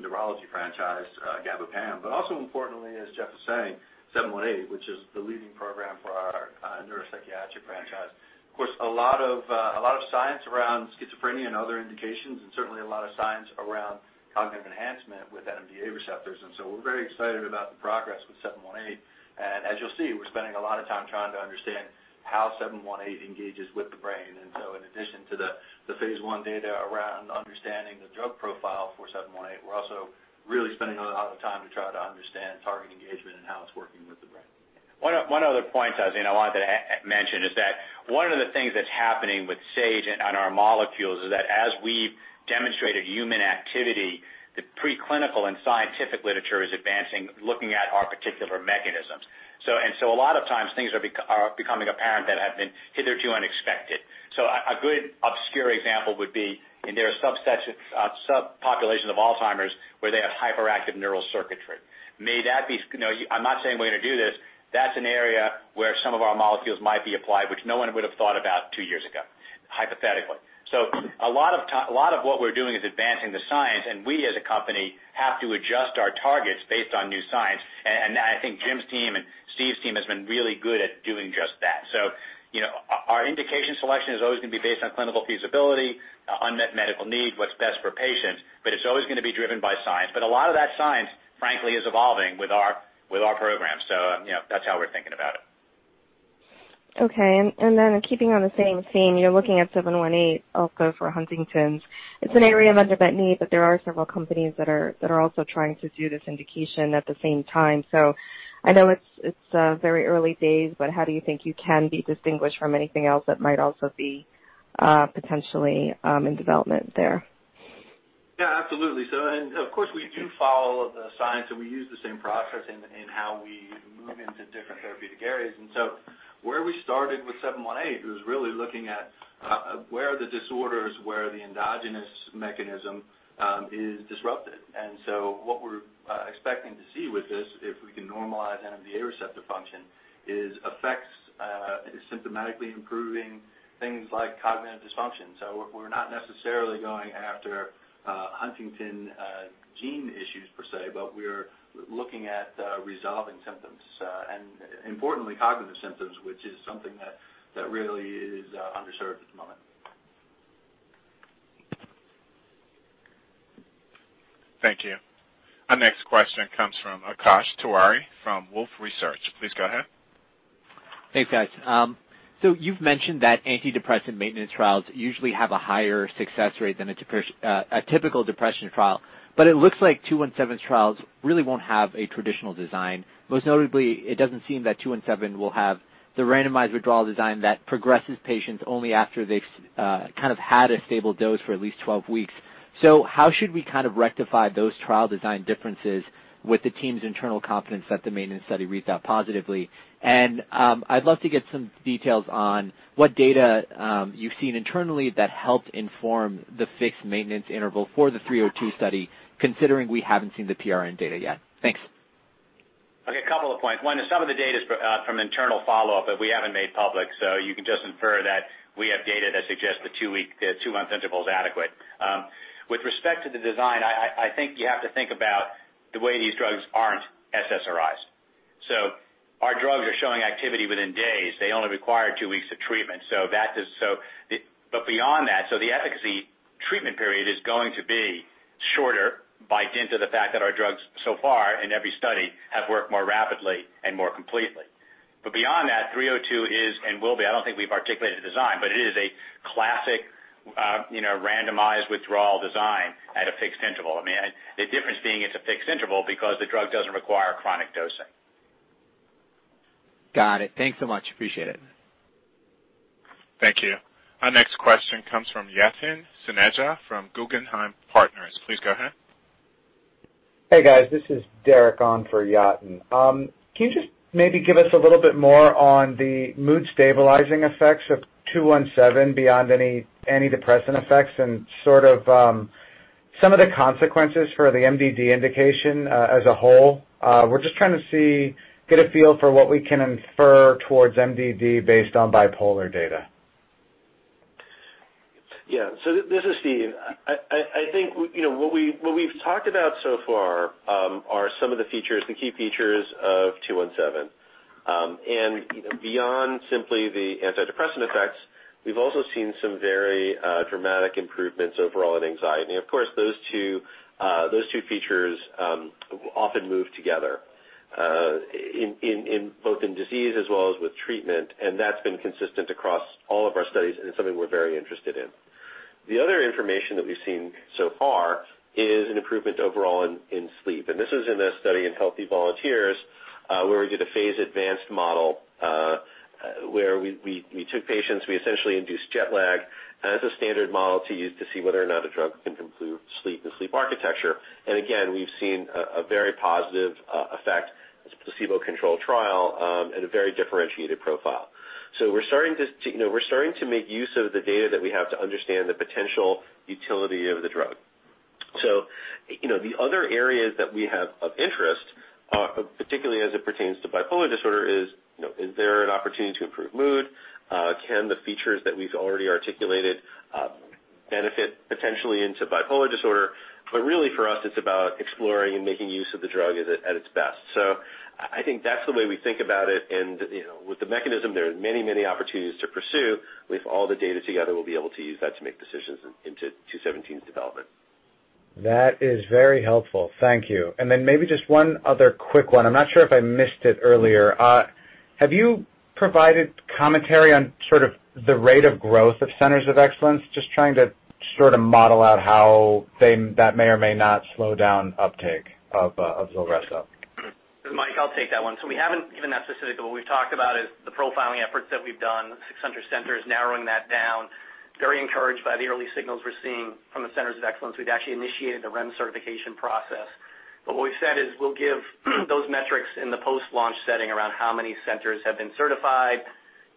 Speaker 13: neurology franchise, GABA PAM, also importantly, as Jeff was saying, 718, which is the leading program for our neuropsychiatric franchise. Of course, a lot of science around schizophrenia and other indications, and certainly a lot of science around cognitive enhancement with NMDA receptors. We're very excited about the progress with 718. As you'll see, we're spending a lot of time trying to understand how 718 engages with the brain. In addition to the phase I data around understanding the drug profile for 718, we're also really spending a lot of time to try to understand target engagement and how it's working with the brain.
Speaker 3: One other point, Tazeen, I wanted to mention is that one of the things that's happening with Sage on our molecules is that as we've demonstrated human activity, the preclinical and scientific literature is advancing, looking at our particular mechanisms. A lot of times things are becoming apparent that have been hitherto unexpected. A good obscure example would be in their subpopulation of Alzheimer's, where they have hyperactive neural circuitry. I'm not saying we're going to do this. That's an area where some of our molecules might be applied, which no one would have thought about two years ago, hypothetically. A lot of what we're doing is advancing the science, and we as a company have to adjust our targets based on new science. I think Jim's team and Steve's team has been really good at doing just that. Our indication selection is always going to be based on clinical feasibility, unmet medical need, what's best for patients, but it's always going to be driven by science. A lot of that science, frankly, is evolving with our programs. That's how we're thinking about it.
Speaker 12: Keeping on the same theme, you're looking at 718 also for Huntington's. It's an area of unmet need, but there are several companies that are also trying to do this indication at the same time. I know it's very early days, but how do you think you can be distinguished from anything else that might also be potentially in development there?
Speaker 13: Absolutely. Of course we do follow the science, and we use the same process in how we move into different therapeutic areas. Where we started with 718 was really looking at where are the disorders, where the endogenous mechanism is disrupted. What we're expecting to see with this, if we can normalize NMDA receptor function, is effects, symptomatically improving things like cognitive dysfunction. We're not necessarily going after Huntington gene issues per se, but we're looking at resolving symptoms, and importantly, cognitive symptoms, which is something that really is underserved at the moment.
Speaker 1: Thank you. Our next question comes from Akash Tewari from Wolfe Research. Please go ahead.
Speaker 14: Thanks, guys. You've mentioned that antidepressant maintenance trials usually have a higher success rate than a typical depression trial, but it looks like SAGE-217's trials really won't have a traditional design. Most notably, it doesn't seem that SAGE-217 will have the randomized withdrawal design that progresses patients only after they've kind of had a stable dose for at least 12 weeks. How should we kind of rectify those trial design differences with the team's internal confidence that the maintenance study reads out positively? I'd love to get some details on what data you've seen internally that helped inform the fixed maintenance interval for the MDD-302 study, considering we haven't seen the PRN data yet. Thanks.
Speaker 3: Okay, a couple of points. One is some of the data is from internal follow-up, but we haven't made public, so you can just infer that we have data that suggests the two-month interval is adequate. With respect to the design, I think you have to think about the way these drugs aren't SSRIs. Our drugs are showing activity within days. They only require two weeks of treatment. Beyond that, the efficacy treatment period is going to be shorter by dint of the fact that our drugs so far in every study have worked more rapidly and more completely. Beyond that, MDD-302 is and will be, I don't think we've articulated the design, but it is a classic randomized withdrawal design at a fixed interval. I mean, the difference being it's a fixed interval because the drug doesn't require chronic dosing.
Speaker 14: Got it. Thanks so much. Appreciate it.
Speaker 1: Thank you. Our next question comes from Yatin Suneja from Guggenheim Partners. Please go ahead.
Speaker 15: Hey, guys. This is Derek on for Yatin. Can you just maybe give us a little bit more on the mood-stabilizing effects of 217 beyond any antidepressant effects and sort of some of the consequences for the MDD indication as a whole? We're just trying to get a feel for what we can infer towards MDD based on bipolar data.
Speaker 7: Yeah. This is Steve. I think what we've talked about so far are some of the key features of 217. Beyond simply the antidepressant effects, we've also seen some very dramatic improvements overall in anxiety. Of course, those two features often move together both in disease as well as with treatment, and that's been consistent across all of our studies, and it's something we're very interested in. The other information that we've seen so far is an improvement overall in sleep. This is in a study in healthy volunteers, where we did a phase advanced model, where we took patients, we essentially induced jet lag as a standard model to use to see whether or not a drug can improve sleep and sleep architecture. Again, we've seen a very positive effect, it's a placebo-controlled trial, and a very differentiated profile. We're starting to make use of the data that we have to understand the potential utility of the drug. The other areas that we have of interest, particularly as it pertains to bipolar disorder, is there an opportunity to improve mood? Can the features that we've already articulated benefit potentially into bipolar disorder? Really, for us, it's about exploring and making use of the drug at its best. I think that's the way we think about it, and with the mechanism, there are many opportunities to pursue. With all the data together, we'll be able to use that to make decisions into 217's development.
Speaker 15: That is very helpful. Thank you. Then maybe just one other quick one. I'm not sure if I missed it earlier. Have you provided commentary on sort of the rate of growth of Centers of Excellence? Just trying to sort of model out how that may or may not slow down uptake of ZULRESSO.
Speaker 4: This is Mike, I'll take that one. We haven't given that specific, what we've talked about is the profiling efforts that we've done, the 600 centers, narrowing that down. Very encouraged by the early signals we're seeing from the Centers of Excellence. We've actually initiated the REMS certification process. What we've said is we'll give those metrics in the post-launch setting around how many centers have been certified,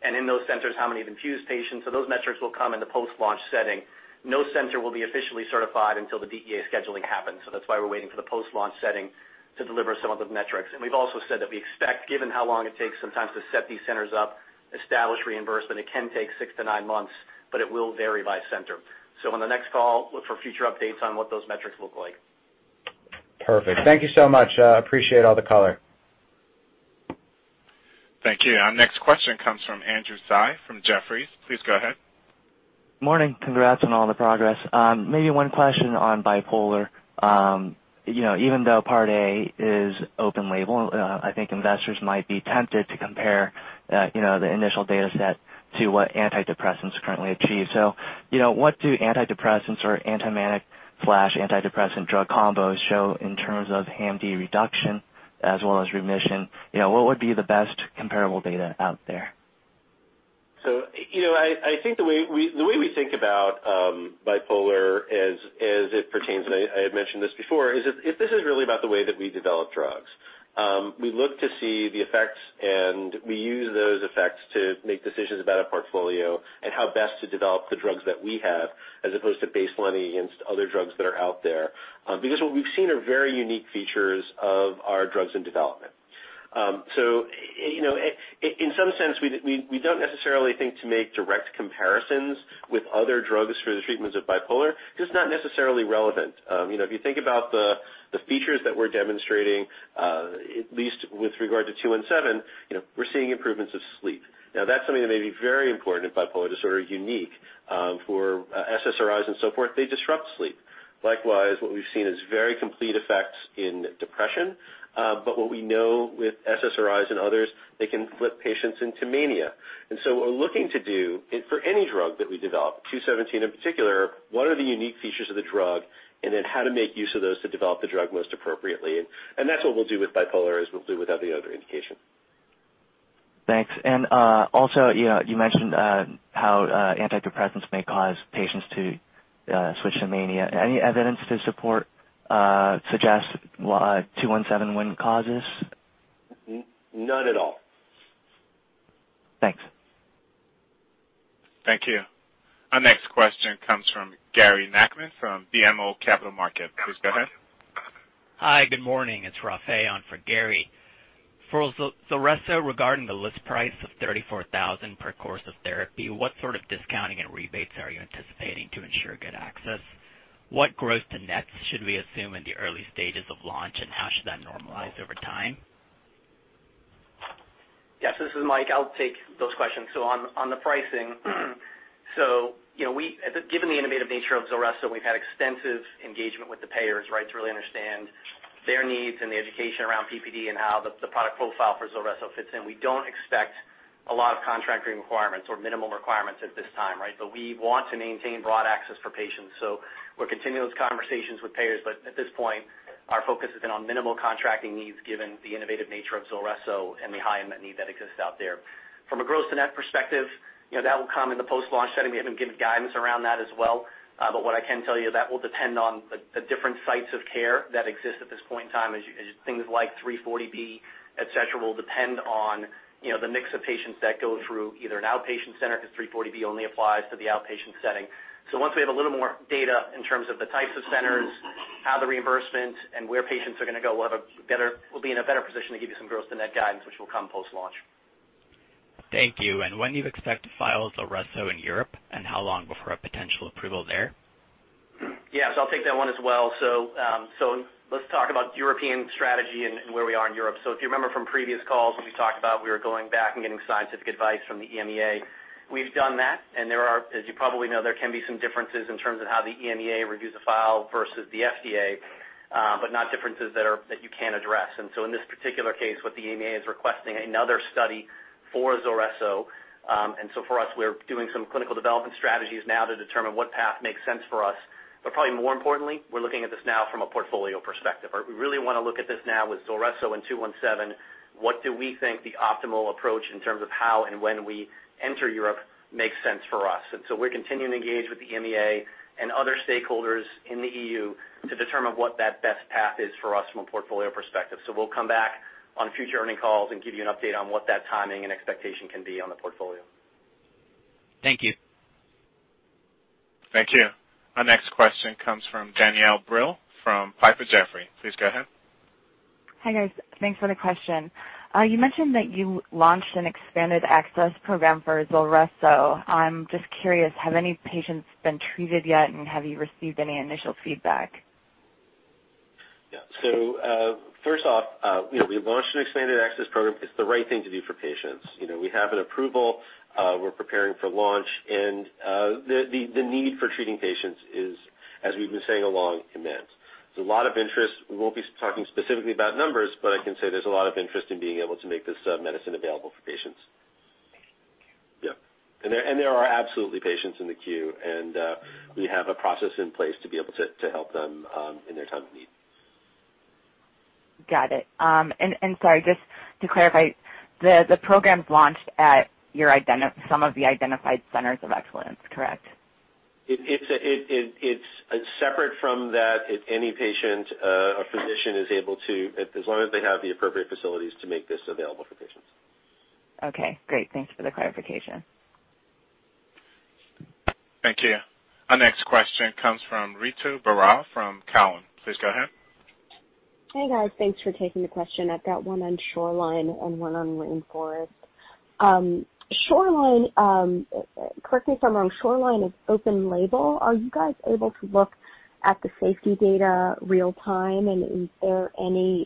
Speaker 4: and in those centers, how many have infused patients. Those metrics will come in the post-launch setting. No center will be officially certified until the DEA scheduling happens. That's why we're waiting for the post-launch setting to deliver some of the metrics. We've also said that we expect, given how long it takes sometimes to set these centers up, establish reimbursement, it can take six to nine months, but it will vary by center. On the next call, look for future updates on what those metrics look like.
Speaker 15: Perfect. Thank you so much. I appreciate all the color.
Speaker 1: Thank you. Our next question comes from Andrew Tsai from Jefferies. Please go ahead.
Speaker 16: Morning. Congrats on all the progress. Maybe one question on bipolar. Even though Part A is open label, I think investors might be tempted to compare the initial data set to what antidepressants currently achieve. What do antidepressants or antimanic/antidepressant drug combos show in terms of HAM-D reduction as well as remission? What would be the best comparable data out there?
Speaker 7: The way we think about bipolar as it pertains, and I had mentioned this before, is this is really about the way that we develop drugs. We look to see the effects, and we use those effects to make decisions about our portfolio and how best to develop the drugs that we have as opposed to baselining against other drugs that are out there. Because what we've seen are very unique features of our drugs in development. In some sense, we don't necessarily think to make direct comparisons with other drugs for the treatments of bipolar because it's not necessarily relevant. If you think about the features that we're demonstrating, at least with regard to 217, we're seeing improvements of sleep. That's something that may be very important in bipolar disorder, unique. For SSRIs and so forth, they disrupt sleep. Likewise, what we've seen is very complete effects in depression. What we know with SSRIs and others, they can flip patients into mania. What we're looking to do for any drug that we develop, 217 in particular, what are the unique features of the drug, and then how to make use of those to develop the drug most appropriately. That's what we'll do with bipolar, as we'll do with any other indication.
Speaker 16: Thanks. Also, you mentioned how antidepressants may cause patients to switch to mania. Any evidence to support, suggest 217 wouldn't cause this?
Speaker 7: None at all.
Speaker 16: Thanks.
Speaker 1: Thank you. Our next question comes from Gary Nachman from BMO Capital Markets. Please go ahead.
Speaker 17: Hi, good morning. It's Rafay on for Gary. For ZULRESSO, regarding the list price of $34,000 per course of therapy, what sort of discounting and rebates are you anticipating to ensure good access? What gross to net should we assume in the early stages of launch, and how should that normalize over time?
Speaker 4: Yes. This is Mike. I'll take those questions. On the pricing, given the innovative nature of ZULRESSO, we've had extensive engagement with the payers to really understand their needs and the education around PPD and how the product profile for ZULRESSO fits in. We don't expect a lot of contracting requirements or minimum requirements at this time. We want to maintain broad access for patients. We're continuing those conversations with payers. At this point, our focus has been on minimal contracting needs given the innovative nature of ZULRESSO and the high unmet need that exists out there. From a gross to net perspective, that will come in the post-launch setting. We haven't given guidance around that as well. What I can tell you, that will depend on the different sites of care that exist at this point in time as things like 340B, et cetera, will depend on the mix of patients that go through either an outpatient center, because 340B only applies to the outpatient setting. Once we have a little more data in terms of the types of centers, how the reimbursement and where patients are going to go, we'll be in a better position to give you some gross to net guidance, which will come post-launch.
Speaker 17: Thank you. When do you expect to file ZULRESSO in Europe? How long before a potential approval there?
Speaker 4: Yes, I'll take that one as well. Let's talk about European strategy and where we are in Europe. If you remember from previous calls, we talked about we were going back and getting scientific advice from the EMEA. We've done that, and as you probably know, there can be some differences in terms of how the EMEA reviews a file versus the FDA, but not differences that you can't address. In this particular case, what the EMEA is requesting another study for ZULRESSO. For us, we're doing some clinical development strategies now to determine what path makes sense for us. Probably more importantly, we're looking at this now from a portfolio perspective. We really want to look at this now with ZULRESSO and 217. What do we think the optimal approach in terms of how and when we enter Europe makes sense for us? We're continuing to engage with the EMEA and other stakeholders in the EU to determine what that best path is for us from a portfolio perspective. We'll come back on future earning calls and give you an update on what that timing and expectation can be on the portfolio.
Speaker 17: Thank you.
Speaker 1: Thank you. Our next question comes from Danielle Brill from Piper Jaffray. Please go ahead.
Speaker 18: Hi, guys. Thanks for the question. You mentioned that you launched an expanded access program for ZULRESSO. I'm just curious, have any patients been treated yet, and have you received any initial feedback?
Speaker 7: Yeah. First off, we launched an expanded access program. It's the right thing to do for patients. We have an approval, we're preparing for launch, and the need for treating patients is, as we've been saying along, immense. There's a lot of interest. We won't be talking specifically about numbers, but I can say there's a lot of interest in being able to make this medicine available for patients.
Speaker 18: Thank you.
Speaker 7: There are absolutely patients in the queue, and we have a process in place to be able to help them in their time of need.
Speaker 18: Got it. Sorry, just to clarify, the program's launched at some of the identified Centers of Excellence, correct?
Speaker 7: It's separate from that. If any patient, a physician is able to, as long as they have the appropriate facilities to make this available for patients.
Speaker 18: Okay, great. Thanks for the clarification.
Speaker 1: Thank you. Our next question comes from Ritu Baral from Cowen. Please go ahead.
Speaker 19: Hey, guys. Thanks for taking the question. I've got one on SHORELINE and one on RAINFOREST. SHORELINE, correct me if I'm wrong, SHORELINE is open label. Are you guys able to look at the safety data real time, and is there any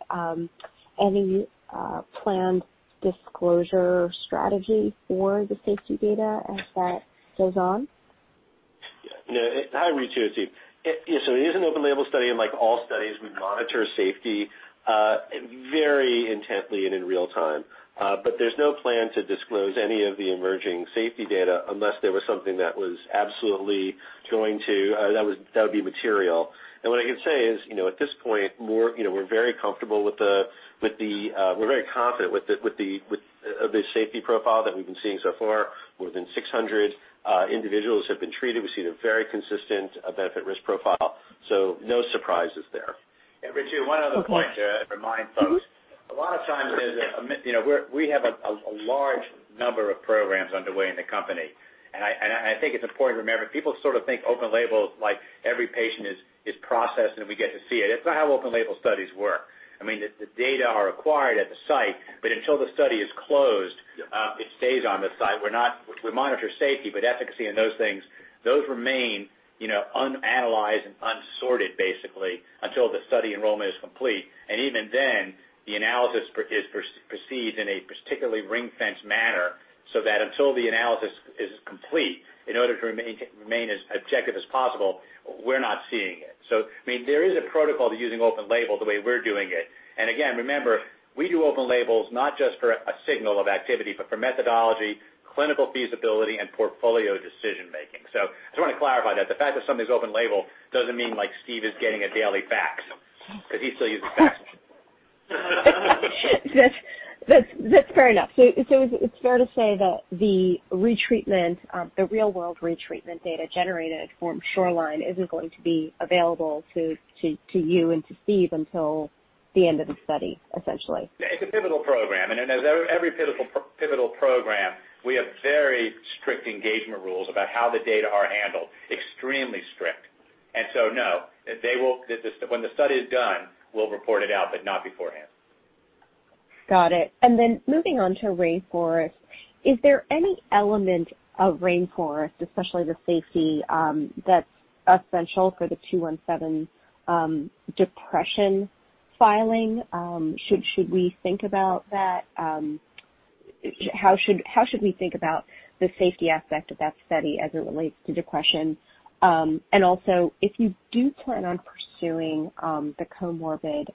Speaker 19: planned disclosure strategy for the safety data as that goes on?
Speaker 7: Yeah. Hi, Ritu, it's Steve. Yeah, so it is an open label study, and like all studies, we monitor safety very intently and in real time. There's no plan to disclose any of the emerging safety data unless there was something that was absolutely that would be material. What I can say is, at this point, we're very confident with the safety profile that we've been seeing so far. More than 600 individuals have been treated. We've seen a very consistent benefit risk profile, no surprises there.
Speaker 3: Ritu, one other point to remind folks. A lot of times, we have a large number of programs underway in the company, and I think it's important to remember, people sort of think open label, like every patient is processed, and we get to see it. It's not how open label studies work. I mean, the data are acquired at the site, but until the study is closed
Speaker 7: Yep
Speaker 3: it stays on the site. We monitor safety, but efficacy and those things, those remain unanalyzed and unsorted, basically until the study enrollment is complete. Even then, the analysis is perceived in a particularly ring-fence manner, so that until the analysis is complete, in order to remain as objective as possible, we're not seeing it. I mean, there is a protocol to using open label the way we're doing it. Again, remember, we do open labels not just for a signal of activity, but for methodology, clinical feasibility, and portfolio decision-making. I just want to clarify that the fact that something's open label doesn't mean like Steve is getting a daily fax, because he still uses fax.
Speaker 19: That's fair enough. It's fair to say that the real-world retreatment data generated from SHORELINE isn't going to be available to you and to Steve until the end of the study, essentially.
Speaker 3: It's a pivotal program, as every pivotal program, we have very strict engagement rules about how the data are handled, extremely strict. No. When the study is done, we'll report it out, not beforehand.
Speaker 19: Got it. Moving on to RAINFOREST, is there any element of RAINFOREST, especially the safety, that's essential for the 217 depression filing? Should we think about that? How should we think about the safety aspect of that study as it relates to depression? Also, if you do plan on pursuing the comorbid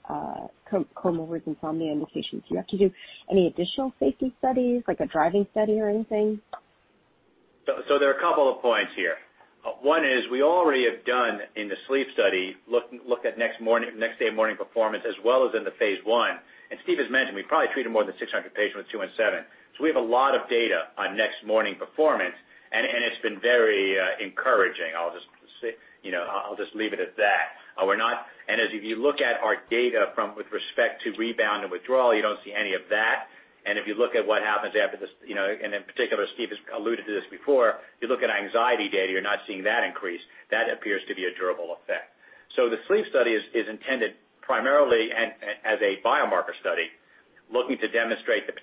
Speaker 19: insomnia indications, do you have to do any additional safety studies, like a driving study or anything?
Speaker 3: There are a couple of points here. One is we already have done in the sleep study, looked at next day morning performance as well as in the phase I. Steve has mentioned we probably treated more than 600 patients with 217. We have a lot of data on next morning performance, and it's been very encouraging. I'll just leave it at that. If you look at our data with respect to rebound and withdrawal, you don't see any of that. If you look at what happens after this, in particular, Steve has alluded to this before, you look at anxiety data, you're not seeing that increase. That appears to be a durable effect.
Speaker 7: The sleep study is intended primarily as a biomarker study, looking to demonstrate the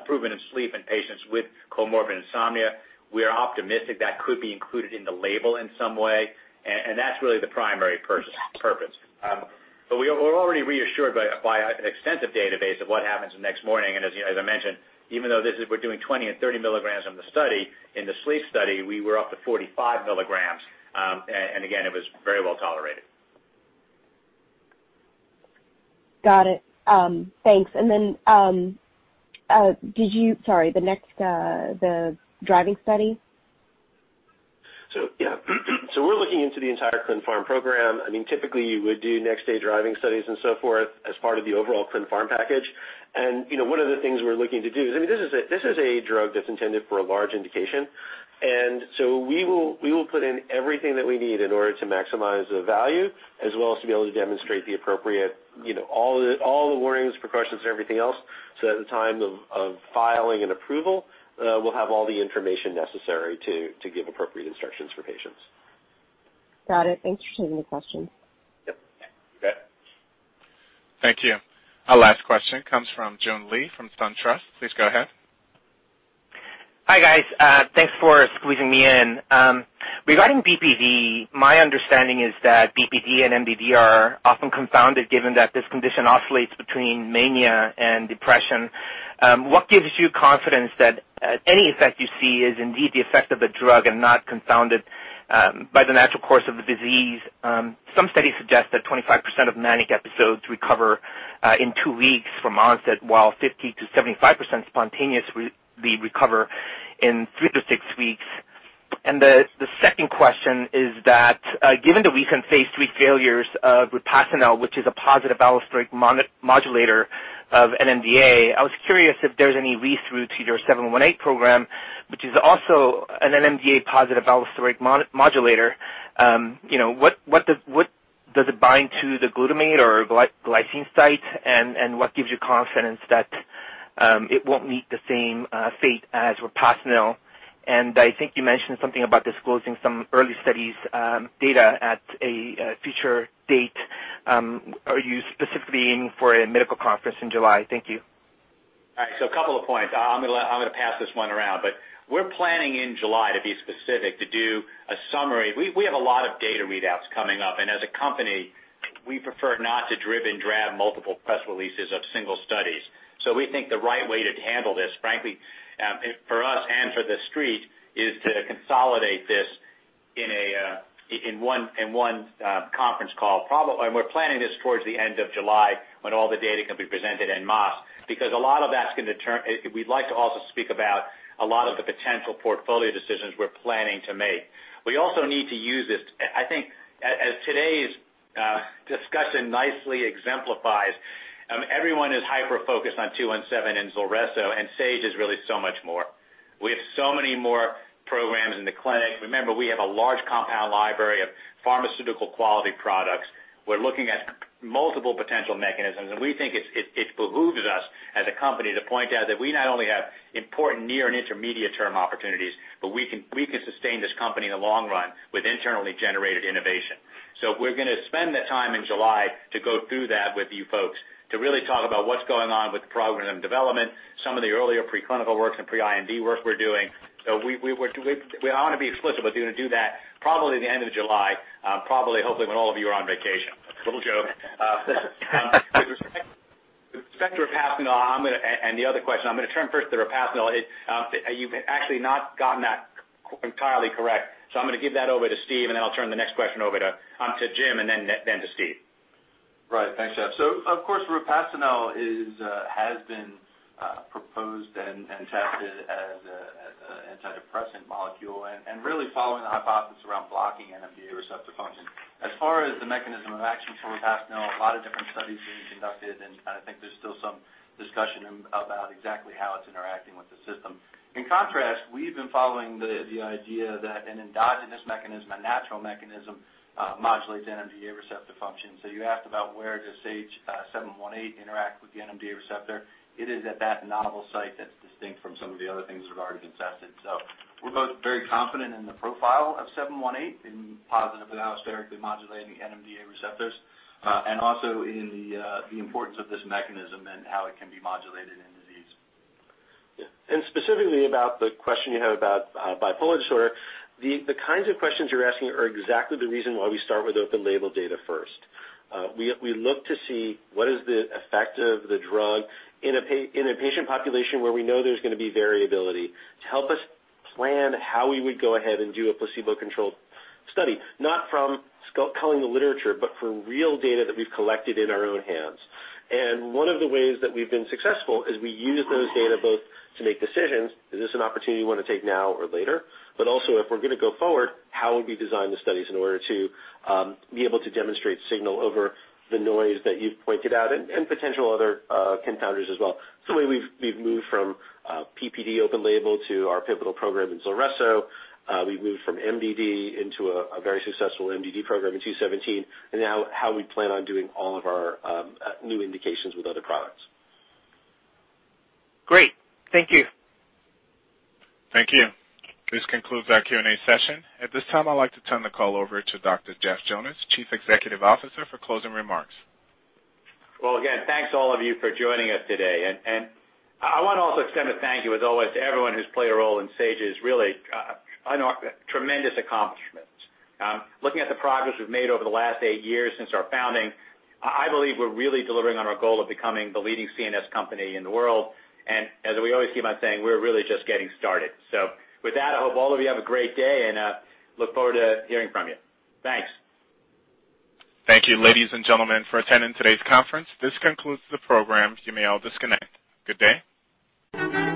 Speaker 7: improvement in sleep in patients with comorbid insomnia. We are optimistic that could be included in the label in some way, and that's really the primary purpose. We're already reassured by an extensive database of what happens the next morning. As I mentioned, even though we're doing 20 and 30 milligrams in the study, in the sleep study, we were up to 45 milligrams. Again, it was very well-tolerated.
Speaker 19: Got it. Thanks. Then, the driving study.
Speaker 7: Yeah. We're looking into the entire clin pharm program. Typically, you would do next-day driving studies and so forth as part of the overall clin pharm package. One of the things we're looking to do is, this is a drug that's intended for a large indication. We will put in everything that we need in order to maximize the value as well as to be able to demonstrate the appropriate warnings, precautions, and everything else. At the time of filing and approval, we'll have all the information necessary to give appropriate instructions for patients.
Speaker 19: Got it. Thanks for taking the question.
Speaker 7: Yep.
Speaker 3: Yeah. You bet.
Speaker 1: Thank you. Our last question comes from Jun Li from SunTrust. Please go ahead.
Speaker 20: Hi, guys. Thanks for squeezing me in. Regarding BPD, my understanding is that BPD and MDD are often confounded given that this condition oscillates between mania and depression. What gives you confidence that any effect you see is indeed the effect of a drug and not confounded by the natural course of the disease? Some studies suggest that 25% of manic episodes recover in two weeks from onset, while 50%-75% spontaneously recover in 3-6 weeks. The second question is that, given the recent phase III failures of rapastinel, which is a positive allosteric modulator of NMDA, I was curious if there's any leads to your SAGE-718 program, which is also an NMDA positive allosteric modulator. Does it bind to the glutamate or glycine site, and what gives you confidence that it won't meet the same fate as rapastinel? I think you mentioned something about disclosing some early studies data at a future date. Are you specifically aiming for a medical conference in July? Thank you.
Speaker 3: All right. A couple of points. I'm going to pass this one around, but we're planning in July to be specific, to do a summary. We have a lot of data readouts coming up. As a company, we prefer not to drib and drab multiple press releases of single studies. We think the right way to handle this, frankly, for us and for The Street, is to consolidate this in one conference call. We're planning this towards the end of July, when all the data can be presented en masse. We'd like to also speak about a lot of the potential portfolio decisions we're planning to make. We also need to use this, I think, as today's discussion nicely exemplifies, everyone is hyper-focused on SAGE-217 and ZULRESSO. Sage is really so much more. We have so many more programs in the clinic. Remember, we have a large compound library of pharmaceutical-quality products. We're looking at multiple potential mechanisms. We think it behooves us as a company to point out that we not only have important near and intermediate-term opportunities, but we can sustain this company in the long run with internally generated innovation. We're going to spend the time in July to go through that with you folks to really talk about what's going on with the program development, some of the earlier preclinical works and pre-IND work we're doing. I want to be explicit with you to do that probably the end of July, probably, hopefully when all of you are on vacation. A little joke. With respect to rapastinel and the other question, I'm going to turn first to rapastinel. You've actually not gotten that entirely correct, so I'm going to give that over to Steve, and then I'll turn the next question over to Jim, and then to Steve.
Speaker 7: Right. Thanks, Jeff. Of course, rapastinel has been proposed and tested as an antidepressant molecule and really following the hypothesis around blocking NMDA receptor function. As far as the mechanism of action for rapastinel, a lot of different studies being conducted, and I think there's still some discussion about exactly how it's interacting with the system. In contrast, we've been following the idea that an endogenous mechanism, a natural mechanism, modulates NMDA receptor function. You asked about where does SAGE-718 interact with the NMDA receptor. It is at that novel site that's distinct from some of the other things that have already been tested. We're both very confident in the profile of 718 in positive allosterically modulating NMDA receptors, and also in the importance of this mechanism and how it can be modulated in disease. Yeah. Specifically about the question you had about bipolar disorder, the kinds of questions you're asking are exactly the reason why we start with open label data first. We look to see what is the effect of the drug in a patient population where we know there's going to be variability to help us plan how we would go ahead and do a placebo-controlled study, not from culling the literature, but from real data that we've collected in our own hands. One of the ways that we've been successful is we use those data both to make decisions, is this an opportunity we want to take now or later? Also, if we're going to go forward, how would we design the studies in order to be able to demonstrate signal over the noise that you've pointed out, and potential other confounders as well. It's the way we've moved from PPD open label to our pivotal program in ZULRESSO. We've moved from MDD into a very successful MDD program in 217, now how we plan on doing all of our new indications with other products.
Speaker 20: Great. Thank you.
Speaker 1: Thank you. This concludes our Q&A session. At this time, I'd like to turn the call over to Dr. Jeff Jonas, Chief Executive Officer, for closing remarks.
Speaker 3: Well, again, thanks all of you for joining us today. I want to also extend a thank you, as always, to everyone who's played a role in Sage's really tremendous accomplishments. Looking at the progress we've made over the last eight years since our founding, I believe we're really delivering on our goal of becoming the leading CNS company in the world. As we always keep on saying, we're really just getting started. With that, I hope all of you have a great day, and look forward to hearing from you. Thanks.
Speaker 1: Thank you, ladies and gentlemen, for attending today's conference. This concludes the program. You may all disconnect. Good day.